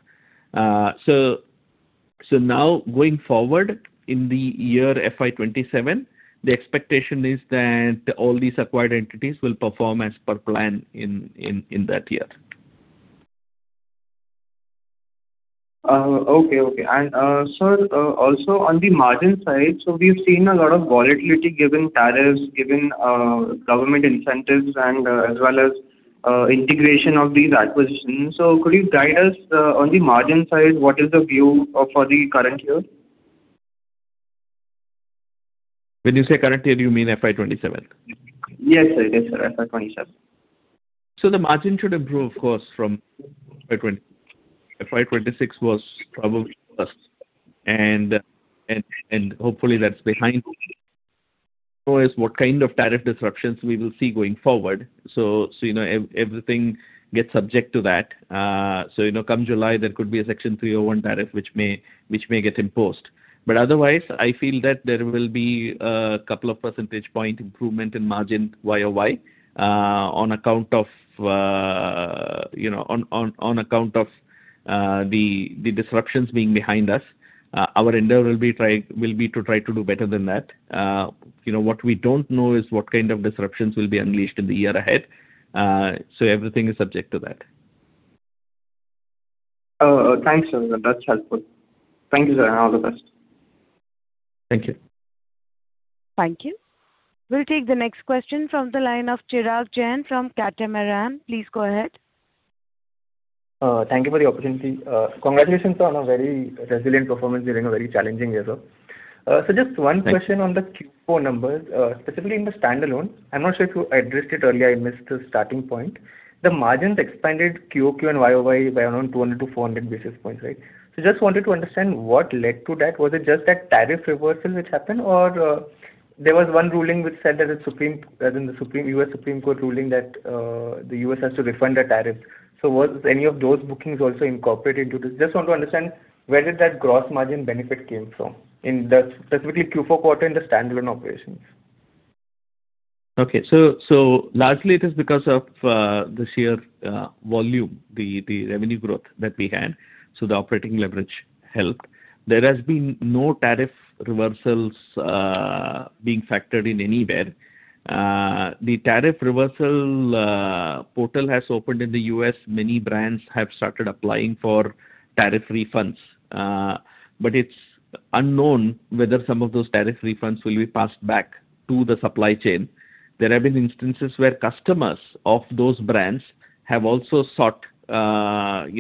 Speaker 3: Now, going forward in the year FY 2027, the expectation is that all these acquired entities will perform as per plan in that year.
Speaker 9: Okay. Okay. Sir, also on the margin side, we have seen a lot of volatility given tariffs, given government incentives, and as well as integration of these acquisitions. Could you guide us on the margin side, what is the view for the current year?
Speaker 3: When you say current year, you mean FY 2027?
Speaker 9: Yes, sir. Yes, sir. FY 2027.
Speaker 3: The margin should improve, of course, from FY 2026 was probably less. Hopefully, that's behind us. What kind of tariff disruptions we will see going forward? Everything gets subject to that. Come July, there could be a Section 301 tariff, which may get imposed. Otherwise, I feel that there will be a 2 percentage point improvement in margin YoY on account of the disruptions being behind us. Our endeavor will be to try to do better than that. What we don't know is what kind of disruptions will be unleashed in the year ahead. Everything is subject to that.
Speaker 9: Thanks, sir. That's helpful. Thank you, sir, and all the best.
Speaker 3: Thank you.
Speaker 1: Thank you. We'll take the next question from the line of Chirag Jain from Catamaran. Please go ahead.
Speaker 10: Thank you for the opportunity. Congratulations, sir, on a very resilient performance during a very challenging year, sir. Just one question on the Q4 numbers, specifically in the standalone. I am not sure if you addressed it earlier. I missed the starting point. The margins expanded QoQ and YoY by around 200 to 400 basis points, right? Just wanted to understand what led to that. Was it just that tariff reversal which happened, or there was one ruling which said that it is supreme as in the U.S. Supreme Court ruling that the U.S. has to refund the tariffs? Was any of those bookings also incorporated into this? Just want to understand where did that gross margin benefit came from, specifically Q4 quarter in the standalone operations?
Speaker 3: Okay. Lastly, it is because of this year's volume, the revenue growth that we had. The operating leverage helped. There has been no tariff reversals being factored in anywhere. The tariff reversal portal has opened in the U.S. Many brands have started applying for tariff refunds. It is unknown whether some of those tariff refunds will be passed back to the supply chain. There have been instances where customers of those brands have also sought tariff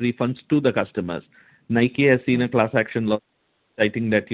Speaker 3: refunds to the customers. Nike has seen a class action law citing that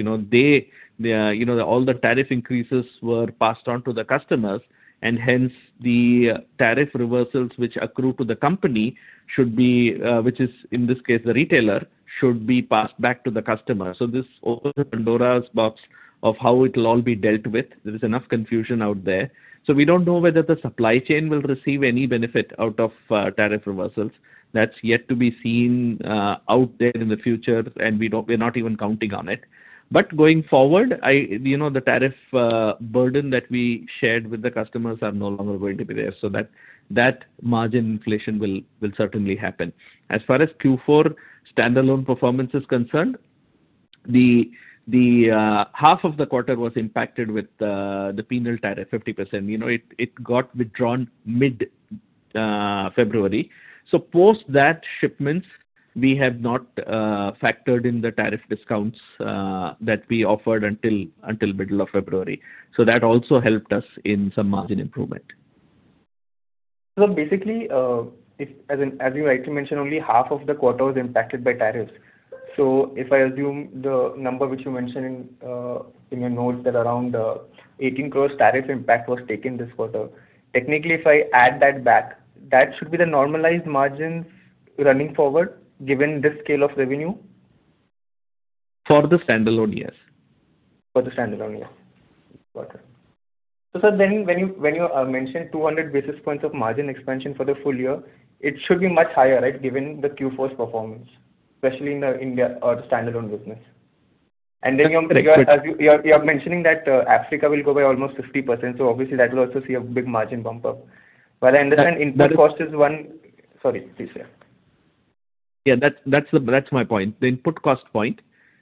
Speaker 3: all the tariff increases were passed on to the customers. Hence, the tariff reversals which accrue to the company should be which is, in this case, the retailer, should be passed back to the customer. This opens Pandora's box of how it will all be dealt with. There is enough confusion out there. We don't know whether the supply chain will receive any benefit out of tariff reversals. That's yet to be seen out there in the future, and we're not even counting on it. Going forward, the tariff burden that we shared with the customers is no longer going to be there. That margin inflation will certainly happen. As far as Q4 standalone performance is concerned, half of the quarter was impacted with the penal tariff, 50%. It got withdrawn mid-February. Post that, shipments we have not factored in the tariff discounts that we offered until middle of February. That also helped us in some margin improvement.
Speaker 10: Basically, as you rightly mentioned, only half of the quarter was impacted by tariffs. If I assume the number which you mentioned in your notes that around 18 crore tariff impact was taken this quarter, technically, if I add that back, that should be the normalized margins running forward given this scale of revenue?
Speaker 3: For the standalone, yes.
Speaker 10: For the standalone, yes. Sir, then when you mentioned 200 basis points of margin expansion for the full year, it should be much higher, right, given the Q4's performance, especially in the India or the standalone business. Then you're mentioning that Africa will go by almost 50%. Obviously, that will also see a big margin bump up. While I understand input cost is one, sorry, please say.
Speaker 3: Yeah, that's my point, the input cost point,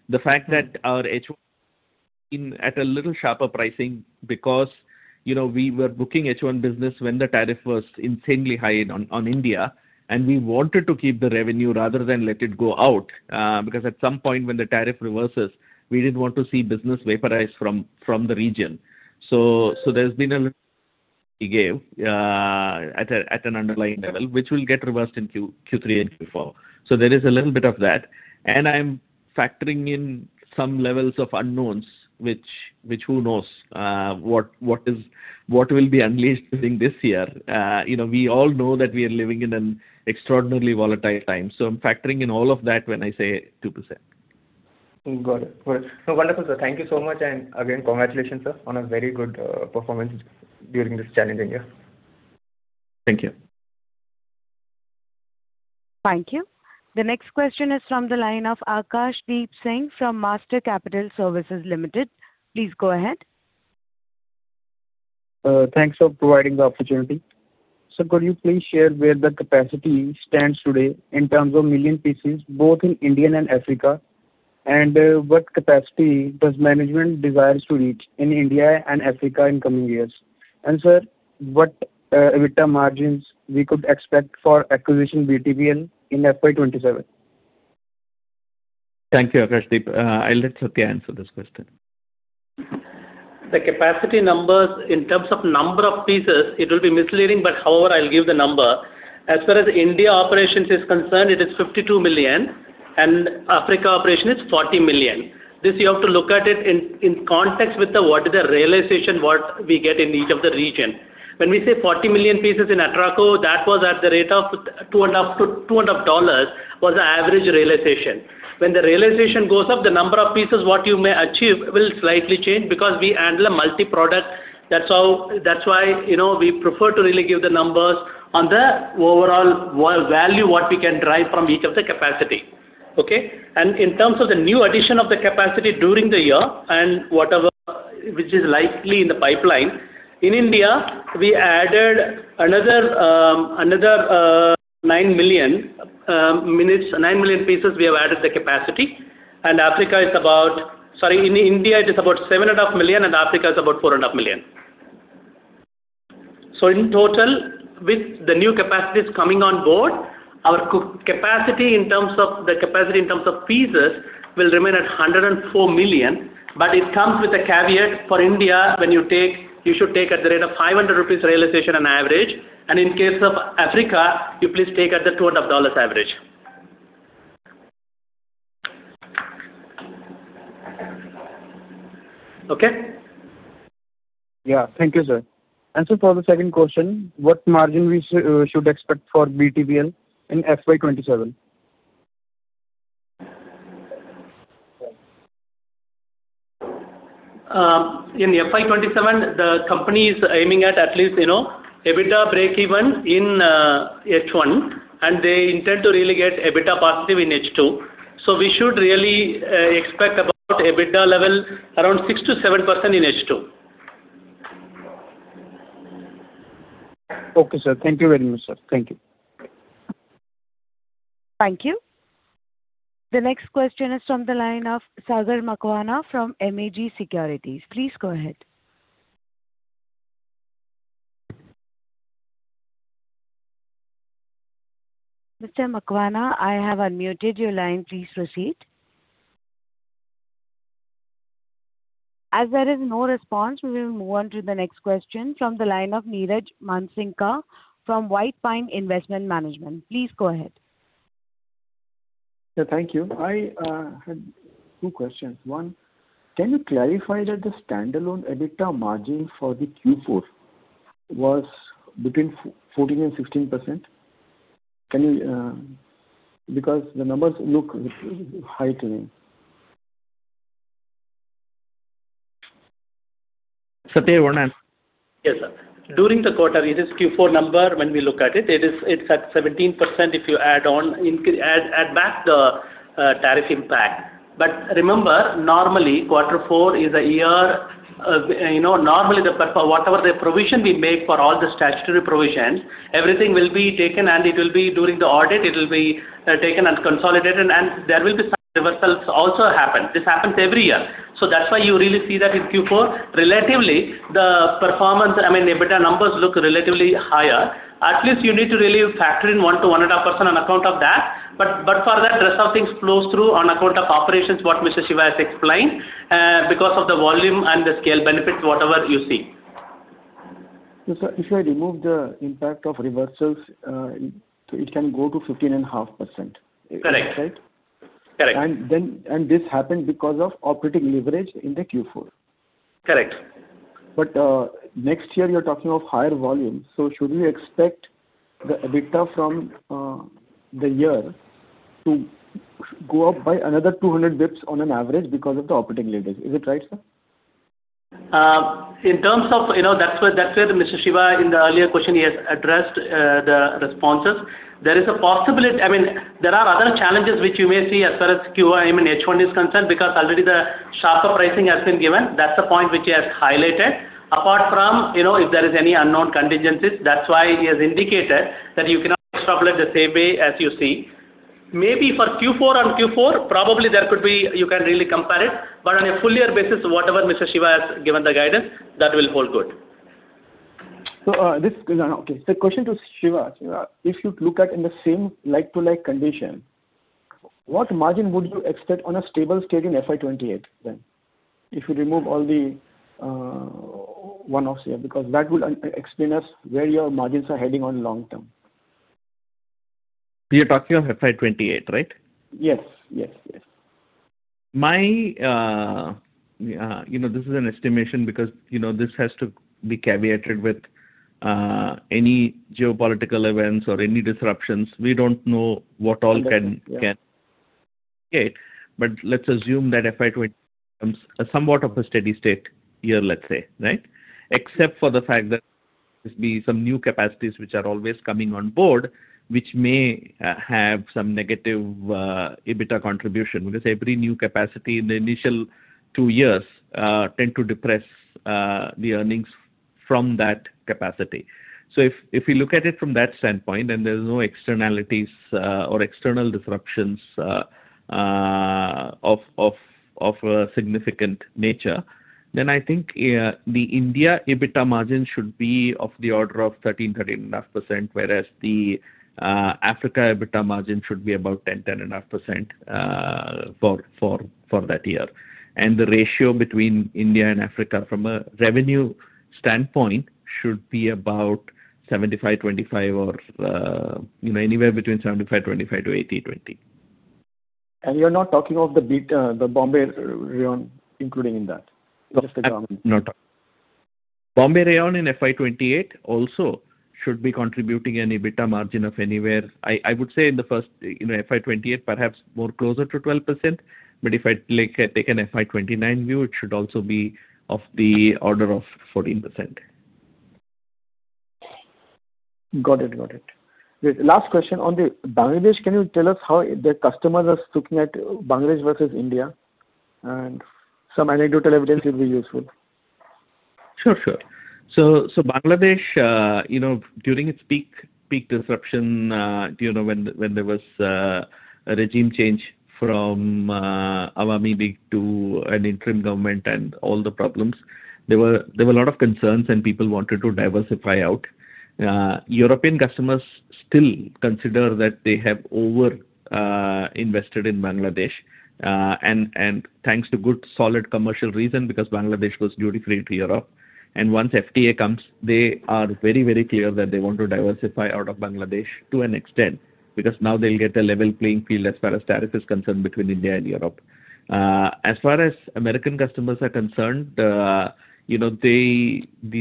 Speaker 3: the fact that our H1 was at a little sharper pricing because we were booking H1 business when the tariff was insanely high on India. We wanted to keep the revenue rather than let it go out because at some point when the tariff reverses, we didn't want to see business vaporize from the region. There's been a little give at an underlying level, which will get reversed in Q3 and Q4. There is a little bit of that. I'm factoring in some levels of unknowns, which who knows what will be unleashed during this year. We all know that we are living in an extraordinarily volatile time. I'm factoring in all of that when I say 2%.
Speaker 10: Got it. Got it. Wonderful, sir. Thank you so much. Again, congratulations, sir, on a very good performance during this challenging year.
Speaker 3: Thank you.
Speaker 1: Thank you. The next question is from the line of Akash Deep Singh from Master Capital Services Limited. Please go ahead.
Speaker 11: Thanks for providing the opportunity. Sir, could you please share where the capacity stands today in terms of million pieces, both in India and Africa, and what capacity does management desire to reach in India and Africa in coming years? Sir, what EBITDA margins we could expect for acquisition BTPL in FY 2027?
Speaker 3: Thank you, Akash Deep. Let Sathya answer this question.
Speaker 5: The capacity numbers in terms of number of pieces, it will be misleading. However, I'll give the number. As far as India operations is concerned, it is 52 million. Africa operation is 40 million. This, you have to look at it in context with what is the realization what we get in each of the region. When we say 40 million pieces in Atraco, that was at the rate of $200 was the average realization. When the realization goes up, the number of pieces what you may achieve will slightly change because we handle a multi-product. That's why we prefer to really give the numbers on the overall value what we can drive from each of the capacity. Okay. In terms of the new addition of the capacity during the year and whatever, which is likely in the pipeline, in India, we added another 9 million pieces. We have added the capacity. In India, it is about 7.5 million. Africa is about 4.5 million. In total, with the new capacities coming on board, our capacity in terms of pieces will remain at 104 million. It comes with a caveat for India. When you take, you should take at the rate of 500 rupees realization on average. In case of Africa, you please take at the $200 average. Okay?
Speaker 11: Yeah. Thank you, sir. Sir, for the second question, what margin we should expect for BTPL in FY 2027?
Speaker 5: In FY 2027, the company is aiming at least EBITDA break-even in H1. They intend to really get EBITDA positive in H2. We should really expect about EBITDA level around 6%-7% in H2.
Speaker 11: Okay, sir. Thank you very much, sir. Thank you.
Speaker 1: Thank you. The next question is from the line of Sagar Makwana from MAG Securities. Please go ahead. Mr. Makwana, I have unmuted your line. Please proceed. As there is no response, we will move on to the next question from the line of Niraj Mansingka from White Pine Investment Management. Please go ahead.
Speaker 12: Yeah, thank you. I had two questions. One, can you clarify that the standalone EBITDA margin for the Q4 was between 14% and 16%? The numbers look high today.
Speaker 3: Sathya, you want to answer?
Speaker 5: Yes, sir. During the quarter, it is Q4 number when we look at it. It's at 17% if you add back the tariff impact. Remember, normally, quarter four is a year normally, whatever the provision we make for all the statutory provisions, everything will be taken. During the audit, it will be taken and consolidated. There will be some reversals also happen. This happens every year. That's why you really see that in Q4, relatively, the performance I mean, EBITDA numbers look relatively higher. At least you need to really factor in 1%-1.5% on account of that. For that, the rest of things flows through on account of operations, what Mr. Siva has explained because of the volume and the scale benefits, whatever you see.
Speaker 12: Sir, if you remove the impact of reversals, it can go to 15.5%, right?
Speaker 5: Correct. Correct.
Speaker 12: This happened because of operating leverage in the Q4?
Speaker 5: Correct.
Speaker 12: Next year, you're talking of higher volume. Should we expect the EBITDA from the year to go up by another 200 basis points on an average because of the operating leverage? Is it right, sir?
Speaker 5: In terms of that's where Mr. Siva in the earlier question, he has addressed the responses. There is a possibility I mean, there are other challenges which you may see as far as Q1 and H1 is concerned because already the sharper pricing has been given. That's the point which he has highlighted. Apart from if there is any unknown contingencies, that's why he has indicated that you cannot extrapolate the same way as you see. Maybe for Q4 and Q4, probably there could be you can really compare it. On a full-year basis, whatever Mr. Siva has given the guidance, that will hold good.
Speaker 12: This okay. Question to Siva. If you look at in the same like-to-like condition, what margin would you expect on a stable scale in FY 2028 if you remove all the one-offs here? That will explain us where your margins are heading on long term.
Speaker 3: You're talking of FY 2028, right?
Speaker 12: Yes. Yes. Yes.
Speaker 3: This is an estimation because this has to be caveated with any geopolitical events or any disruptions. We don't know what all can get. Let's assume that FY 2028 becomes somewhat of a steady state year, let's say, right, except for the fact that there will be some new capacities which are always coming on board, which may have some negative EBITDA contribution because every new capacity in the initial two years tends to depress the earnings from that capacity. If we look at it from that standpoint and there's no externalities or external disruptions of significant nature, I think the India EBITDA margin should be of the order of 13%, 13.5%, whereas the Africa EBITDA margin should be about 10%, 10.5% for that year. The ratio between India and Africa from a revenue standpoint should be about 75/25, or anywhere between 75/25 to 80/20.
Speaker 12: You're not talking of the Bombay Rayon including in that, just the government?
Speaker 3: Bombay Rayon in FY 2028 also should be contributing an EBITDA margin of anywhere I would say in the first FY 2028, perhaps more closer to 12%. If I take an FY 2029 view, it should also be of the order of 14%.
Speaker 12: Got it. Last question. On the Bangladesh, can you tell us how the customers are looking at Bangladesh versus India? Some anecdotal evidence would be useful.
Speaker 3: Sure. Sure. Bangladesh, during its peak disruption, when there was a regime change from Awami League to an interim government and all the problems, there were a lot of concerns, and people wanted to diversify out. European customers still consider that they have over-invested in Bangladesh. Thanks to good, solid commercial reason because Bangladesh was duty-free to Europe. Once FTA comes, they are very, very clear that they want to diversify out of Bangladesh to an extent because now they'll get a level playing field as far as tariff is concerned between India and Europe. As far as American customers are concerned, the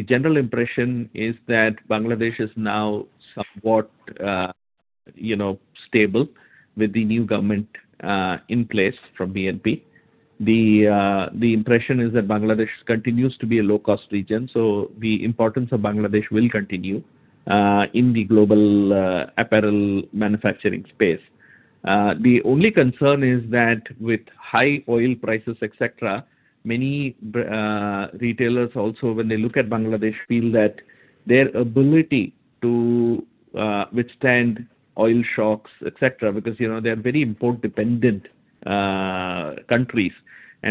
Speaker 3: general impression is that Bangladesh is now somewhat stable with the new government in place from BNP. The impression is that Bangladesh continues to be a low-cost region. The importance of Bangladesh will continue in the global apparel manufacturing space. The only concern is that with high oil prices, etc., many retailers also, when they look at Bangladesh, feel that their ability to withstand oil shocks, etc., because they are very import-dependent countries.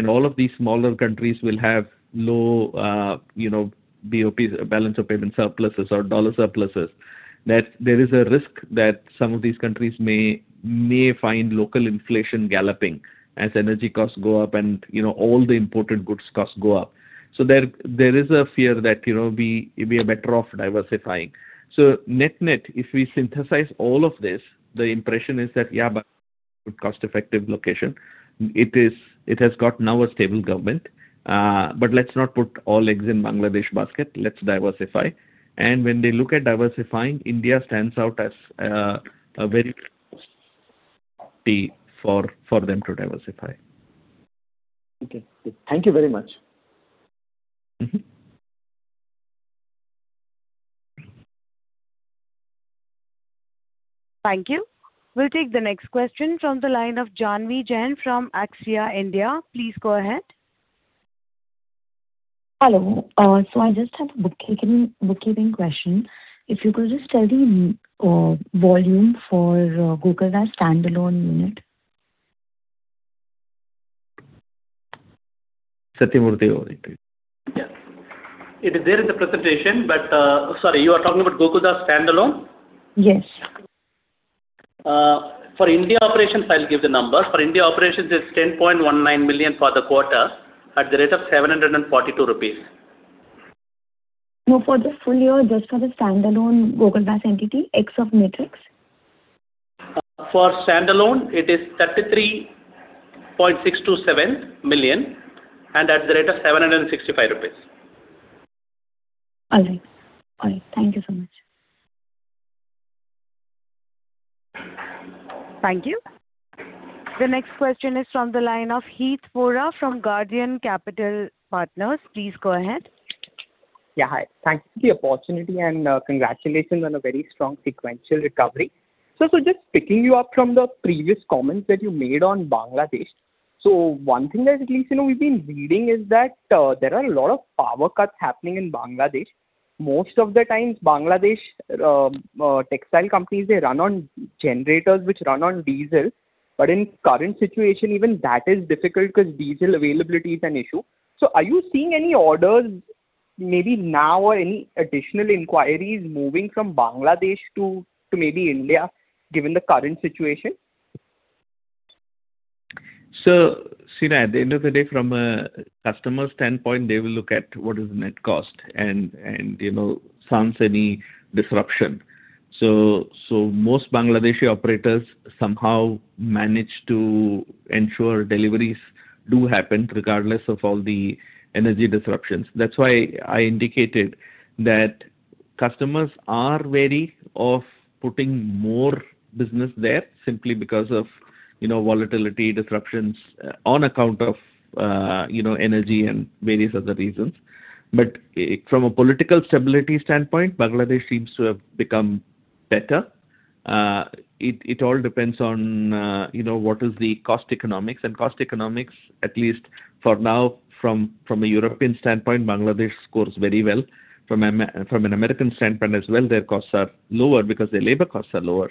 Speaker 3: All of these smaller countries will have low BOPs, Balance of Payments surpluses, or dollar surpluses. There is a risk that some of these countries may find local inflation galloping as energy costs go up and all the imported goods costs go up. There is a fear that we are better off diversifying. Net-net, if we synthesize all of this, the impression is that, yeah, good, cost-effective location. It has got now a stable government. Let's not put all eggs in Bangladesh's basket. Let's diversify. When they look at diversifying, India stands out as a very good opportunity for them to diversify.
Speaker 12: Okay. Thank you very much.
Speaker 1: Thank you. We'll take the next question from the line of Janhavi Jain from Axia, India. Please go ahead.
Speaker 13: Hello. I just have a bookkeeping question. If you could just tell the volume for Gokaldas standalone unit.
Speaker 3: Sathya over it.
Speaker 5: Yes. It is there in the presentation. Sorry, you are talking about Gokaldas standalone?
Speaker 13: Yes.
Speaker 5: For India operations, I'll give the numbers. For India operations, it's 10.19 million for the quarter at the rate of 742 rupees.
Speaker 13: For the full year, just for the standalone Gokaldas entity, ex-Matrix?
Speaker 5: For standalone, it is 33.627 million and at the rate of 765 rupees.
Speaker 13: All right. All right. Thank you so much.
Speaker 1: Thank you. The next question is from the line of Heet Vora from Guardian Capital Partners. Please go ahead.
Speaker 14: Yeah. Hi. Thanks for the opportunity and congratulations on a very strong sequential recovery. Just picking you up from the previous comments that you made on Bangladesh, one thing that at least we've been reading is that there are a lot of power cuts happening in Bangladesh. Most of the times, Bangladesh textile companies, they run on generators which run on diesel. In current situation, even that is difficult because diesel availability is an issue. Are you seeing any orders maybe now or any additional inquiries moving from Bangladesh to maybe India given the current situation?
Speaker 3: See, at the end of the day, from a customer standpoint, they will look at what is the net cost and sense any disruption. Most Bangladeshi operators somehow manage to ensure deliveries do happen regardless of all the energy disruptions. That's why I indicated that customers are wary of putting more business there simply because of volatility, disruptions on account of energy and various other reasons. From a political stability standpoint, Bangladesh seems to have become better. It all depends on what is the cost economics. Cost economics, at least for now, from a European standpoint, Bangladesh scores very well. From an American standpoint as well, their costs are lower because their labor costs are lower.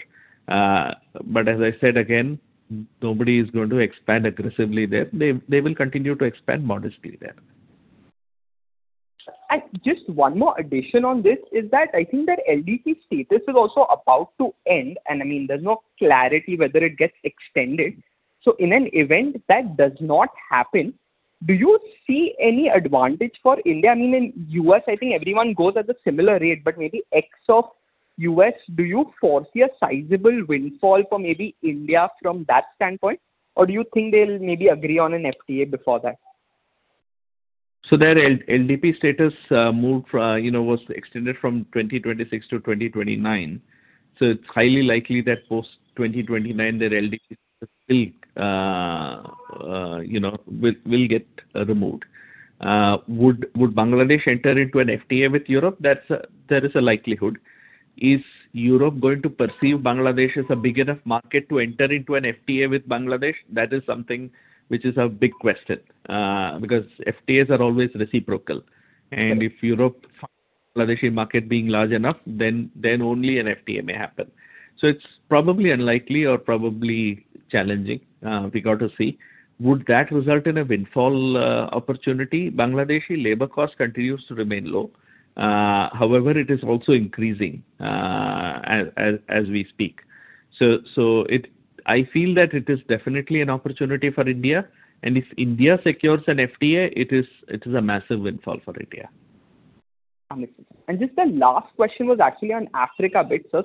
Speaker 3: As I said, again, nobody is going to expand aggressively there. They will continue to expand modestly there.
Speaker 14: Just one more addition on this is that I think that LDC status is also about to end. I mean, there's no clarity whether it gets extended. In an event that does not happen, do you see any advantage for India? I mean, in the U.S., I think everyone goes at a similar rate. Maybe X of U.S., do you foresee a sizable windfall for maybe India from that standpoint? Do you think they'll maybe agree on an FTA before that?
Speaker 3: Their LDC status was extended from 2026 to 2029. It's highly likely that post-2029, their LDC status will get removed. Would Bangladesh enter into an FTA with Europe? There is a likelihood. Is Europe going to perceive Bangladesh as a big enough market to enter into an FTA with Bangladesh? That is something which is a big question because FTAs are always reciprocal. If Europe finds the Bangladeshi market being large enough, then only an FTA may happen. It's probably unlikely or probably challenging. We got to see. Would that result in a windfall opportunity? Bangladeshi labor cost continues to remain low. However, it is also increasing as we speak. I feel that it is definitely an opportunity for India. If India secures an FTA, it is a massive windfall for India.
Speaker 14: Understood. Just the last question was actually on Africa a bit, sir.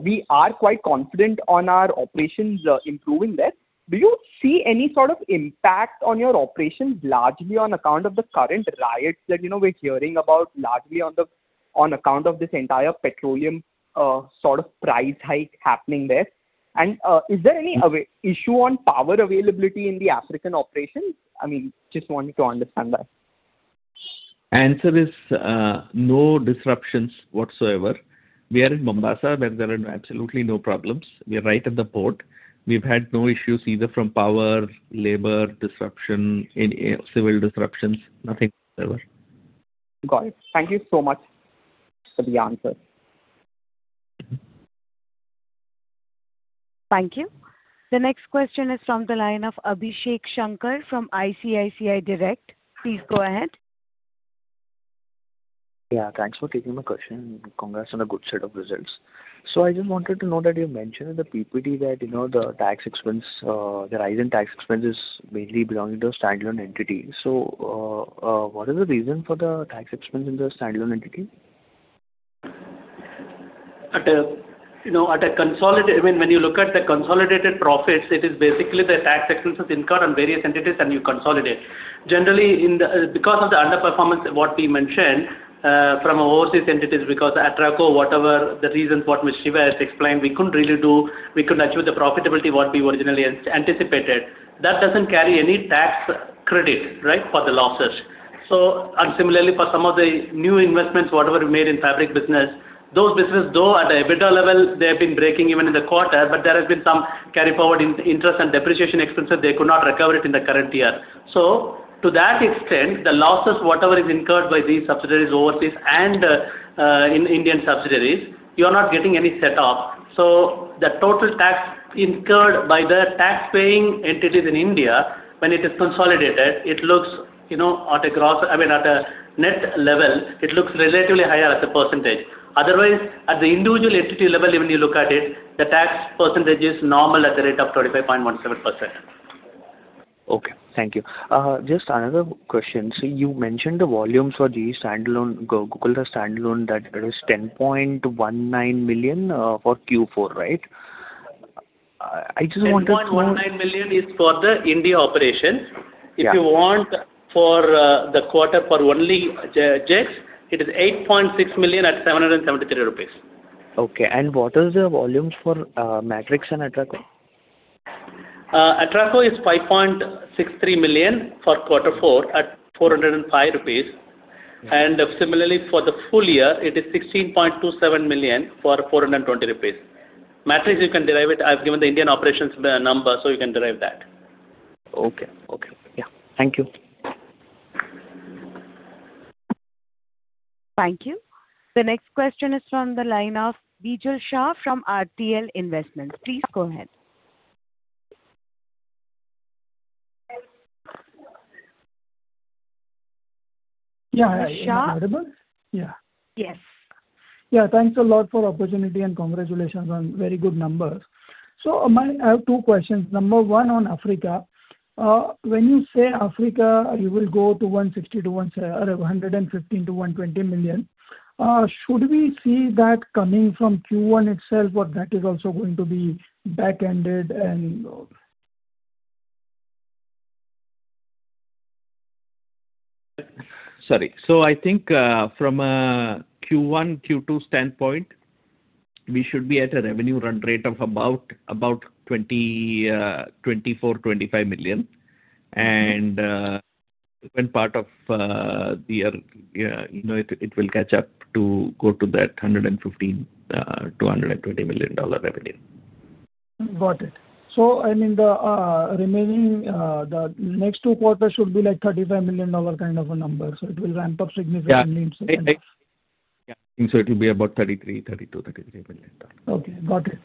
Speaker 14: We are quite confident on our operations improving there. Do you see any sort of impact on your operations largely on account of the current riots that we're hearing about largely on account of this entire petroleum sort of price hike happening there? Is there any issue on power availability in the African operations? I mean, just wanted to understand that.
Speaker 3: Answer is no disruptions whatsoever. We are in Mombasa where there are absolutely no problems. We are right at the port. We've had no issues either from power, labor disruption, civil disruptions, nothing whatsoever.
Speaker 14: Got it. Thank you so much for the answers.
Speaker 1: Thank you. The next question is from the line of Abhishek Shankar from ICICI Direct. Please go ahead.
Speaker 15: Yeah. Thanks for taking my question. Congrats on a good set of results. I just wanted to know that you mentioned in the PPD that the rising tax expense is mainly belonging to a standalone entity. What is the reason for the tax expense in the standalone entity?
Speaker 5: At a consolidated I mean, when you look at the consolidated profits, it is basically the tax expenses incurred on various entities, and you consolidate. Generally, because of the underperformance what we mentioned from overseas entities because Atraco, whatever the reasons what Mr. Siva has explained, we couldn't really achieve the profitability what we originally anticipated. That doesn't carry any tax credit, right, for the losses. Similarly, for some of the new investments, whatever we made in fabric business, those businesses, though at the EBITDA level, they have been breaking even in the quarter. There has been some carry-forward interest and depreciation expenses. They could not recover it in the current year. To that extent, the losses, whatever is incurred by these subsidiaries overseas and in Indian subsidiaries, you are not getting any set-off. The total tax incurred by the taxpaying entities in India, when it is consolidated, it looks at a gross I mean, at a net level, it looks relatively higher as a percentage. Otherwise, at the individual entity level, even you look at it, the tax percentage is normal at the rate of 25.17%.
Speaker 15: Okay. Thank you. Just another question. You mentioned the volumes for the Gokaldas standalone that is 10.19 million for Q4, right? I just wanted to know.
Speaker 5: 10.19 million is for the India operation. If you want for the quarter for only GEX, it is 8.6 million at 773 rupees.
Speaker 15: Okay. What is the volume for Matrix and Atraco?
Speaker 5: Atraco is 5.63 million for quarter four at 405 rupees. Similarly, for the full year, it is 16.27 million for 420 rupees. Matrix, you can derive it. I've given the Indian operations number, so you can derive that.
Speaker 15: Okay. Okay. Yeah. Thank you.
Speaker 1: Thank you. The next question is from the line of Bijal Shah from RTL Investments. Please go ahead.
Speaker 16: Yeah.
Speaker 1: Shah?
Speaker 16: Am I Audible?
Speaker 3: Yeah.
Speaker 1: Yes.
Speaker 16: Thanks a lot for the opportunity and congratulations on very good numbers. I have two questions. Number 1, on Africa, when you say Africa you will go to 115 million-120 million, should we see that coming from Q1 itself or that is also going to be back-ended?
Speaker 3: Sorry. I think from a Q1, Q2 standpoint, we should be at a revenue run-rate of about 24 million-25 million. When part of the year it will catch up to go to that INR 115 million-INR 120 million revenue.
Speaker 16: Got it. I mean, the remaining the next two quarters should be like INR 35 million kind of a number. It will ramp up significantly in September.
Speaker 3: Yeah. I think so it will be about 33 million, 32 million, INR 33 million.
Speaker 16: Okay. Got it.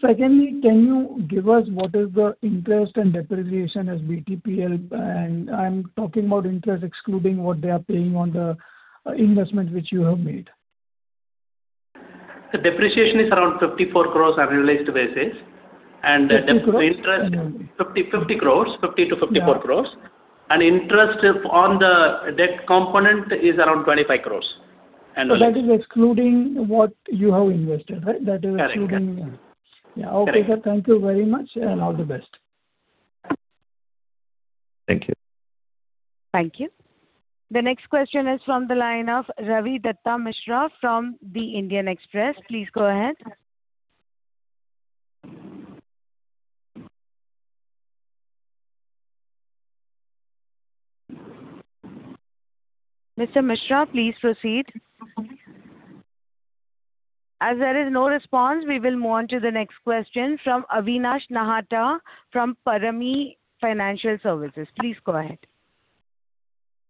Speaker 16: Secondly, can you give us what is the interest and depreciation as BTPL? I'm talking about interest excluding what they are paying on the investment which you have made.
Speaker 5: The depreciation is around 54 crores annualized basis. The interest, 50 crores-54 crores. Interest on the debt component is around 25 crores.
Speaker 16: That is excluding what you have invested, right? That is excluding.
Speaker 5: Exactly.
Speaker 16: Yeah. Okay. Thank you very much, and all the best.
Speaker 3: Thank you.
Speaker 1: Thank you. The next question is from the line of Ravi Dutta Mishra from The Indian Express. Please go ahead. Mr. Mishra, please proceed. As there is no response, we will move on to the next question from Avinash Nahata from Parami Financial Services. Please go ahead.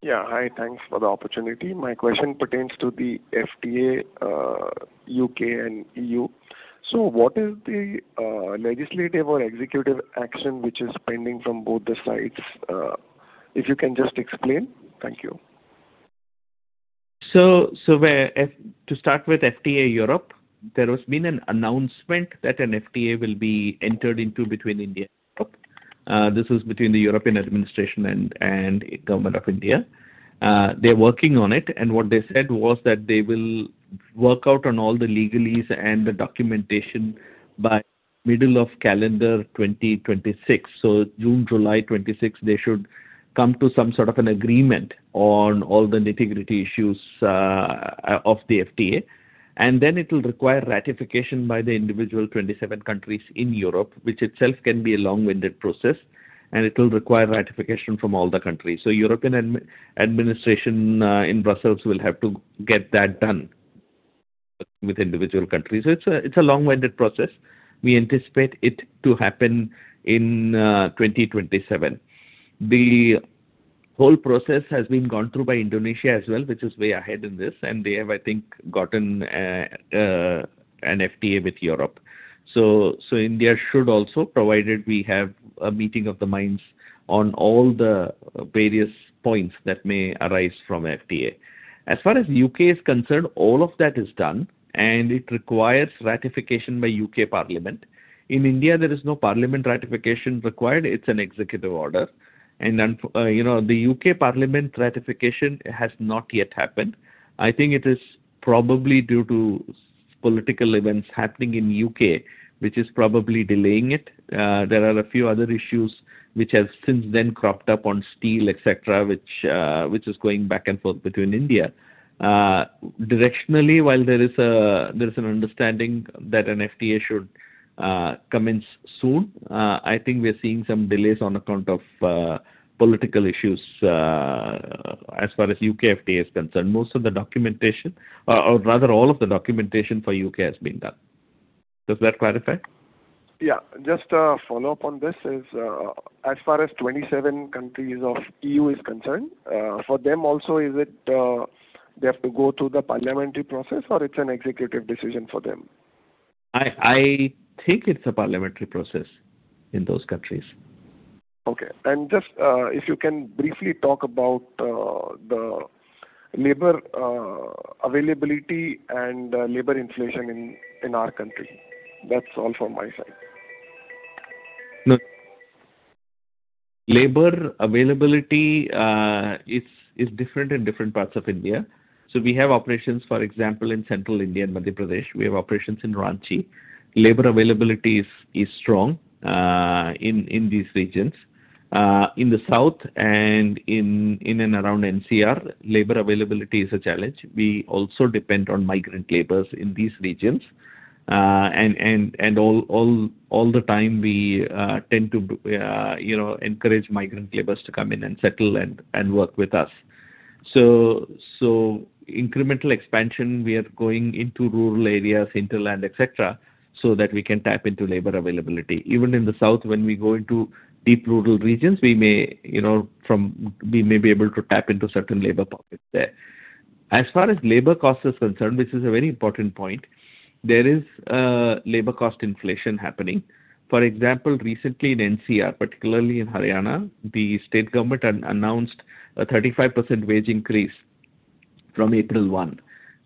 Speaker 17: Yeah. Hi. Thanks for the opportunity. My question pertains to the FTA U.K. and E.U. What is the legislative or executive action which is pending from both the sides? If you can just explain. Thank you.
Speaker 3: To start with, FTA Europe, there has been an announcement that an FTA will be entered into between India. This is between the European Administration and Government of India. They're working on it. What they said was that they will work out on all the legalese and the documentation by middle of calendar 2026. June, July 2026, they should come to some sort of an agreement on all the nitty-gritty issues of the FTA. Then it will require ratification by the individual 27 countries in Europe, which itself can be a long-winded process. It will require ratification from all the countries. European Administration in Brussels will have to get that done with individual countries. It's a long-winded process. We anticipate it to happen in 2027. The whole process has been gone through by Indonesia as well, which is way ahead in this. They have, I think, gotten an FTA with Europe. India should also, provided we have a meeting of the minds on all the various points that may arise from FTA. As far as the U.K. is concerned, all of that is done. It requires ratification by U.K. Parliament. In India, there is no parliament ratification required. It's an executive order. The U.K. Parliament ratification has not yet happened. I think it is probably due to political events happening in the U.K., which is probably delaying it. There are a few other issues which have since then cropped up on steel, etc., which is going back and forth between India. Directionally, while there is an understanding that an FTA should commence soon, I think we are seeing some delays on account of political issues as far as U.K. FTA is concerned. Most of the documentation or rather all of the documentation for U.K. has been done. Does that clarify?
Speaker 17: Yeah. Just a follow-up on this is as far as 27 countries of the EU is concerned, for them also, is it they have to go through the parliamentary process or it's an executive decision for them?
Speaker 3: I think it's a parliamentary process in those countries.
Speaker 17: Okay. Just if you can briefly talk about the labor availability and labor inflation in our country? That's all from my side.
Speaker 3: Labor availability is different in different parts of India. We have operations, for example, in Central India and Madhya Pradesh. We have operations in Ranchi. Labor availability is strong in these regions. In the south and in and around NCR, labor availability is a challenge. We also depend on migrant labors in these regions. All the time, we tend to encourage migrant labors to come in and settle and work with us. Incremental expansion, we are going into rural areas, hinterland, etc., so that we can tap into labor availability. Even in the south, when we go into deep rural regions, we may be able to tap into certain labor pockets there. As far as labor cost is concerned, which is a very important point, there is labor cost inflation happening. For example, recently in NCR, particularly in Haryana, the state government announced a 35% wage increase from April 1.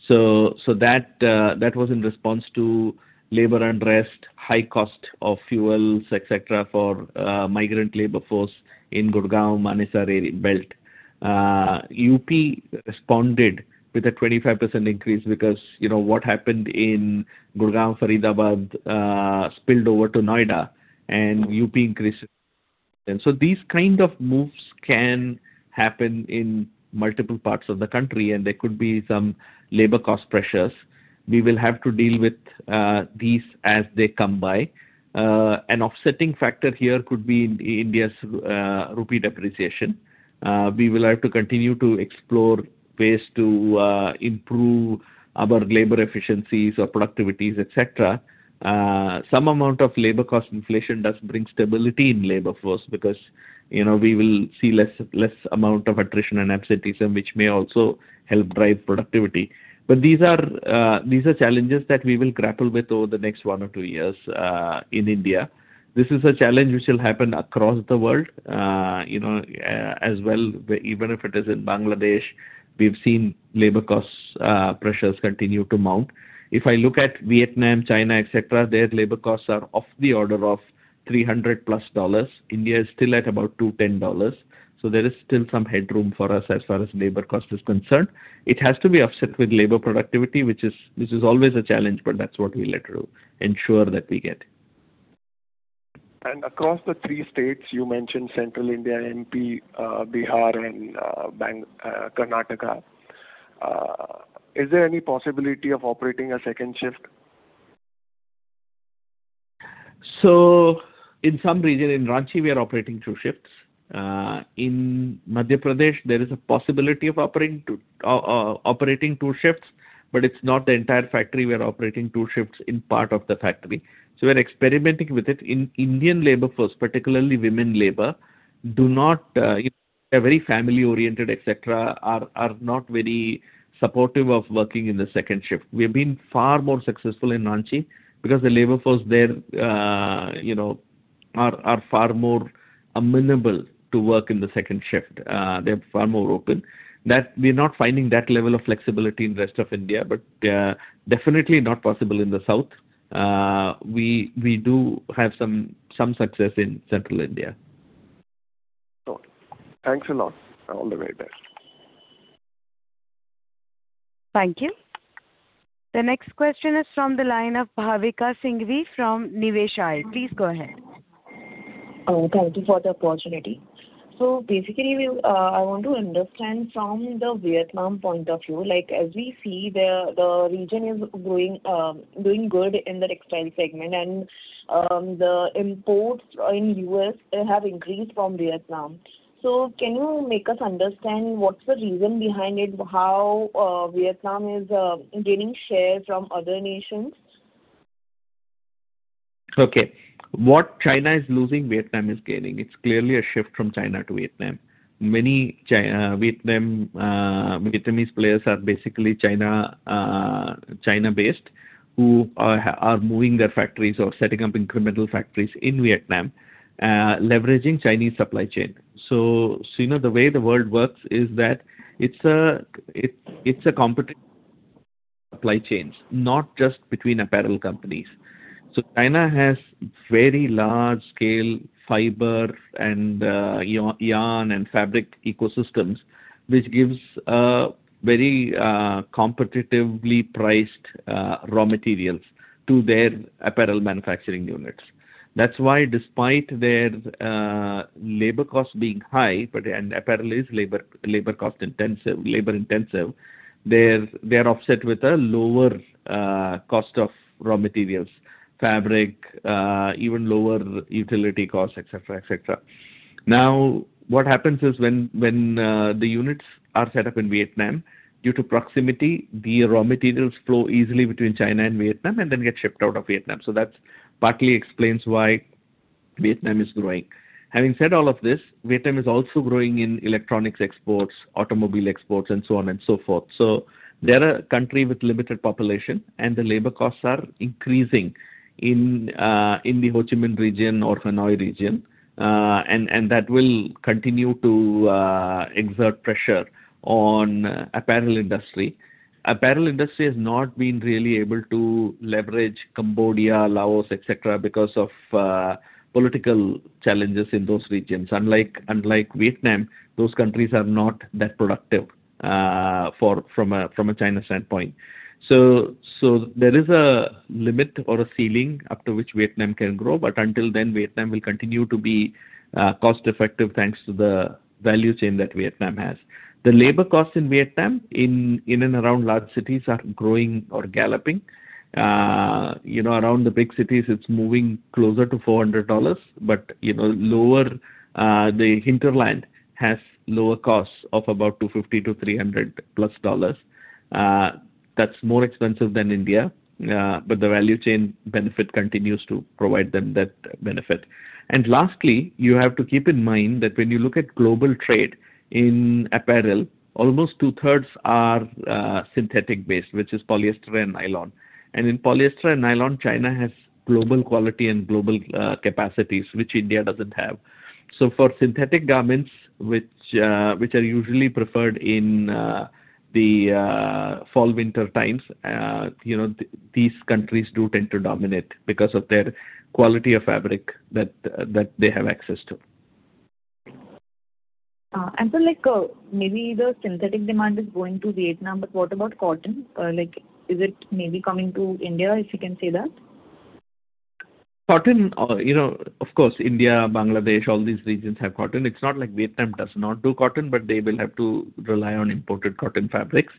Speaker 3: That was in response to labor unrest, high cost of fuels, etc. for migrant labor force in Gurgaon-Manesar belt. UP responded with a 25% increase because what happened in Gurgaon, Faridabad, spilled over to Noida, and UP increased. These kind of moves can happen in multiple parts of the country. There could be some labor cost pressures. We will have to deal with these as they come by. An offsetting factor here could be India's rupee depreciation. We will have to continue to explore ways to improve our labor efficiencies or productivities, etc. Some amount of labor cost inflation does bring stability in labor force because we will see less amount of attrition and absenteeism, which may also help drive productivity. These are challenges that we will grapple with over the next one or two years in India. This is a challenge which will happen across the world as well. Even if it is in Bangladesh, we've seen labor cost pressures continue to mount. If I look at Vietnam, China, etc., their labor costs are of the order of $300+. India is still at about $210. There is still some headroom for us as far as labor cost is concerned. It has to be offset with labor productivity, which is always a challenge. That's what we let ensure that we get.
Speaker 17: Across the three states, you mentioned Central India, MP, Bihar, and Karnataka. Is there any possibility of operating a second shift?
Speaker 3: In some region, in Ranchi, we are operating two shifts. In Madhya Pradesh, there is a possibility of operating two shifts. It's not the entire factory. We are operating two shifts in part of the factory. We're experimenting with it. Indian labor force, particularly women labor, they are very family-oriented, etc., are not very supportive of working in the Second shift. We have been far more successful in Ranchi because the labor force there are far more amenable to work in the second shift. They're far more open. We're not finding that level of flexibility in the rest of India, but definitely not possible in the south. We do have some success in Central India.
Speaker 17: Thanks a lot. All the very best.
Speaker 1: Thank you. The next question is from the line of Bhavika Singhvi from Niveshaay. Please go ahead.
Speaker 18: Thank you for the opportunity. Basically, I want to understand from the Vietnam point of view. As we see, the region is doing good in the textile segment. The imports in the U.S. have increased from Vietnam. Can you make us understand what's the reason behind it, how Vietnam is gaining share from other nations?
Speaker 3: Okay. What China is losing, Vietnam is gaining. It's clearly a shift from China to Vietnam. Many Vietnamese players are basically China-based who are moving their factories or setting up incremental factories in Vietnam, leveraging Chinese supply chain. The way the world works is that it's a competitive supply chain, not just between apparel companies. China has very large-scale fiber and yarn and fabric ecosystems, which gives very competitively priced raw materials to their apparel manufacturing units. That's why, despite their labor cost being high and apparel is labor-cost-intensive, they are offset with a lower cost of raw materials, fabric, even lower utility costs, etc., etc. Now, what happens is when the units are set up in Vietnam, due to proximity, the raw materials flow easily between China and Vietnam and then get shipped out of Vietnam. That partly explains why Vietnam is growing. Having said all of this, Vietnam is also growing in electronics exports, automobile exports, and so on and so forth. They are a country with a limited population. The labor costs are increasing in the Ho Chi Minh region or Hanoi region. That will continue to exert pressure on the apparel industry. The apparel industry has not been really able to leverage Cambodia, Laos, etc., because of political challenges in those regions. Unlike Vietnam, those countries are not that productive from a China standpoint. There is a limit or a ceiling up to which Vietnam can grow. Until then, Vietnam will continue to be cost-effective thanks to the value chain that Vietnam has. The labor costs in Vietnam, in and around large cities, are growing or galloping. Around the big cities, it's moving c loser to $400. The hinterland has lower costs of about $250-$300+. That's more expensive than India. The value chain benefit continues to provide them that benefit. Lastly, you have to keep in mind that when you look at global trade in apparel, almost two-thirds are synthetic-based, which is polyester and nylon. In polyester and nylon, China has global quality and global capacities, which India doesn't have. For synthetic garments, which are usually preferred in the fall-winter times, these countries do tend to dominate because of their quality of fabric that they have access to.
Speaker 18: Maybe the synthetic demand is going to Vietnam. What about cotton? Is it maybe coming to India, if you can say that?
Speaker 3: Cotton, of course, India, Bangladesh, all these regions have cotton. It's not like Vietnam does not do cotton. They will have to rely on imported cotton fabrics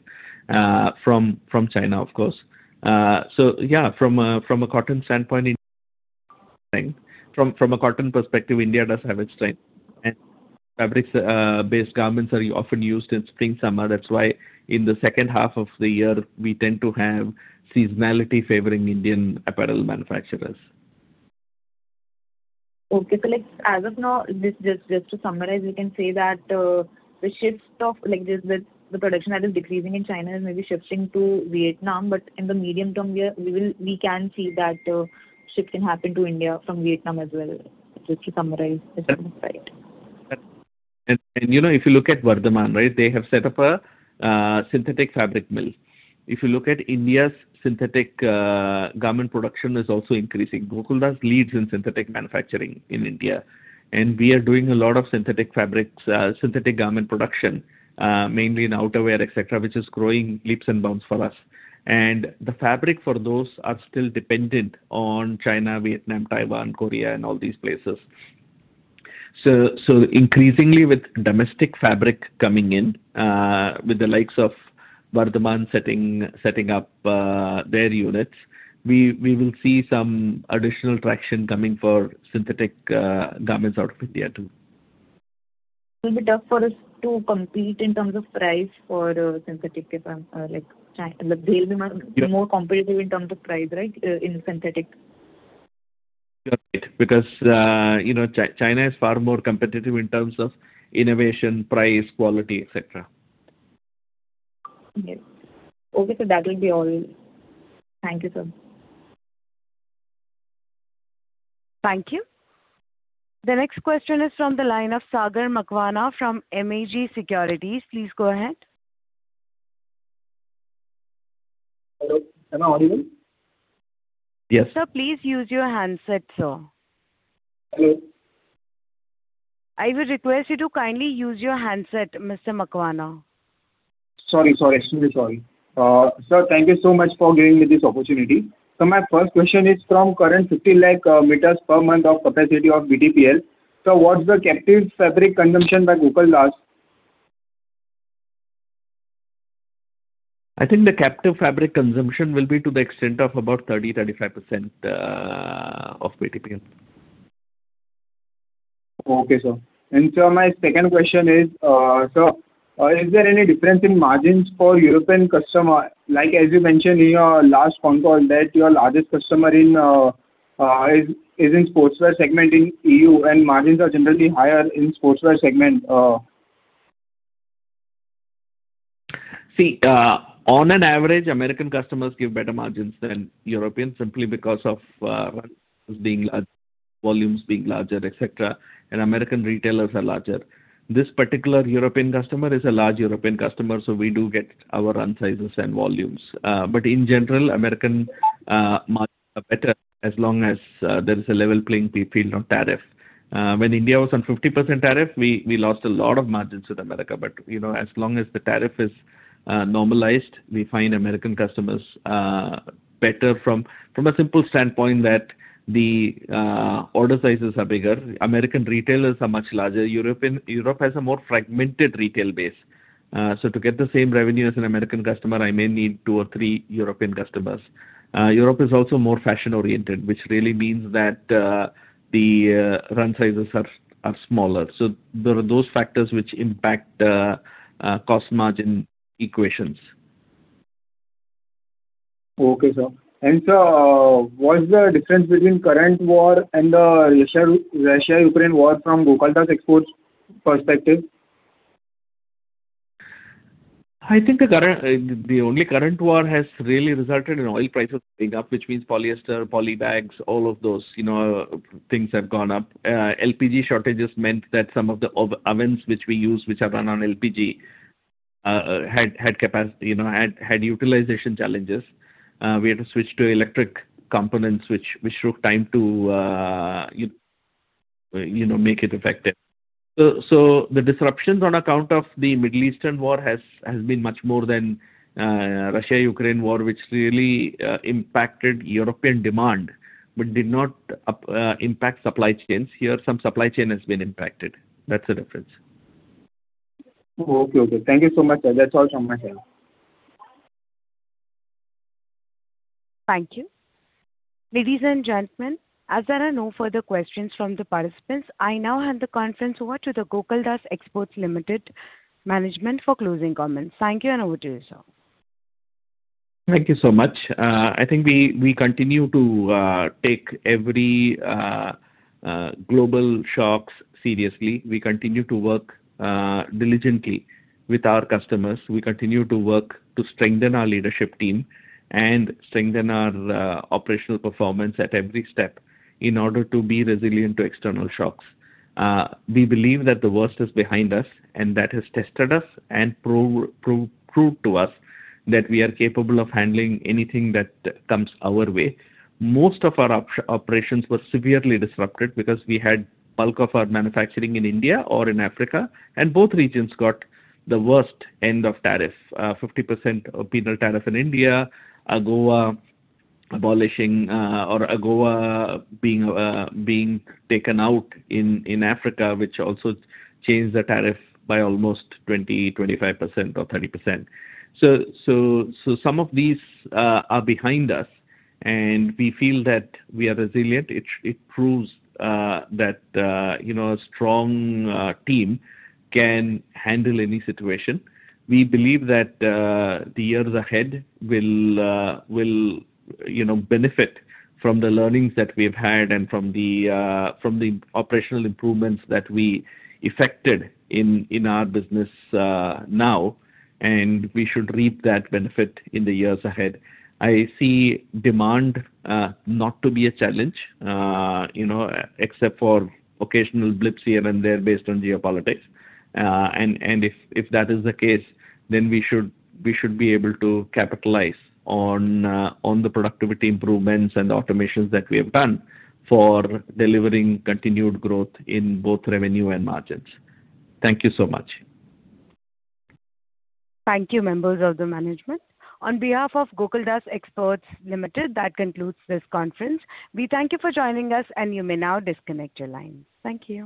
Speaker 3: from China, of course. From a cotton standpoint, from a cotton perspective, India does have its strength. Fabrics-based garments are often used in spring, summer. That's why in the second half of the year, we tend to have seasonality favoring Indian apparel manufacturers.
Speaker 18: Okay. As of now, just to summarize, we can say that the shift of the production that is decreasing in China is maybe shifting to Vietnam. In the medium term, we can see that a shift can happen to India from Vietnam as well, just to summarize if that is right.
Speaker 3: If you look at Vardhman, right, they have set up a synthetic fabric mill. If you look at India's synthetic garment production, it is also increasing. Gokaldas leads in synthetic manufacturing in India. We are doing a lot of synthetic garment production, mainly in outerwear, etc., which is growing leaps and bounds for us. The fabric for those are still dependent on China, Vietnam, Taiwan, Korea, and all these places. Increasingly, with domestic fabric coming in, with the likes of Vardhman setting up their units, we will see some additional traction coming for synthetic garments out of India too.
Speaker 18: It will be tough for us to compete in terms of price for synthetic if they will be more competitive in terms of price, right, in synthetic?
Speaker 3: You're right because China is far more competitive in terms of innovation, price, quality, etc.
Speaker 18: Yes. Okay. That will be all. Thank you, sir.
Speaker 1: Thank you. The next question is from the line of Sagar Makwana from MAG Securities. Please go ahead.
Speaker 19: Hello. Am I audible?
Speaker 3: Yes.
Speaker 1: Sir, please use your handset, sir.
Speaker 19: Hello.
Speaker 1: I would request you to kindly use your handset, Mr. Makwana.
Speaker 19: Sorry. I'm really sorry. Sir, thank you so much for giving me this opportunity. My first question is from Current: 50 lakh meters per month of capacity of BTPL. What's the captive fabric consumption by Gokaldas?
Speaker 3: I think the captive fabric consumption will be to the extent of about 30%, 35% of BTPL.
Speaker 19: Okay, sir. My second question is, sir, is there any difference in margins for European customers? As you mentioned in your last phone call, that your largest customer is in the sportswear segment in the EU, and margins are generally higher in the sportswear segment.
Speaker 3: See, on an average, American customers give better margins than Europeans simply because of run sizes being larger, volumes being larger, etc. American retailers are larger. This particular European customer is a large European customer. We do get our run sizes and volumes. In general, American margins are better as long as there is a level playing field on tariff. When India was on 50% tariff, we lost a lot of margins with America. As long as the tariff is normalized, we find American customers better from a simple standpoint that the order sizes are bigger. American retailers are much larger. Europe has a more fragmented retail base. To get the same revenue as an American customer, I may need two or three European customers. Europe is also more fashion-oriented, which really means that the run sizes are smaller. There are those factors which impact cost-margin equations.
Speaker 19: Okay, sir. What's the difference between the current war and the Russia-Ukraine war from Gokaldas Exports perspective?
Speaker 3: I think the only current war has really resulted in oil prices going up, which means polyester, polybags, all of those things have gone up. LPG shortages meant that some of the ovens which we use, which are run on LPG, had utilization challenges. We had to switch to electric components, which took time to make it effective. The disruptions on account of the Middle Eastern war have been much more than the Russia-Ukraine war, which really impacted European demand but did not impact supply chains. Here, some supply chain has been impacted. That's the difference.
Speaker 19: Okay, okay. Thank you so much. That's all from my side.
Speaker 1: Thank you. Ladies and gentlemen, as there are no further questions from the participants, I now hand the conference over to the Gokaldas Exports Limited management for closing comments. Thank you, and over to you, sir.
Speaker 3: Thank you so much. I think we continue to take every global shock seriously. We continue to work diligently with our customers. We continue to work to strengthen our leadership team and strengthen our operational performance at every step in order to be resilient to external shocks. We believe that the worst is behind us. That has tested us and proved to us that we are capable of handling anything that comes our way. Most of our operations were severely disrupted because we had the bulk of our manufacturing in India or in Africa. Both regions got the worst end of tariff: 50% penal tariff in India, AGOA being taken out in Africa, which also changed the tariff by almost 20%, 25%, or 30%. Some of these are behind us. We feel that we are resilient. It proves that a strong team can handle any situation. We believe that the years ahead will benefit from the learnings that we've had and from the operational improvements that we effected in our business now. We should reap that benefit in the years ahead. I see demand not to be a challenge except for occasional blips here and there based on geopolitics. If that is the case, we should be able to capitalize on the productivity improvements and the automations that we have done for delivering continued growth in both revenue and margins. Thank you so much.
Speaker 1: Thank you, members of the management. On behalf of Gokaldas Exports Limited, that concludes this conference. We thank you for joining us. You may now disconnect your lines. Thank you.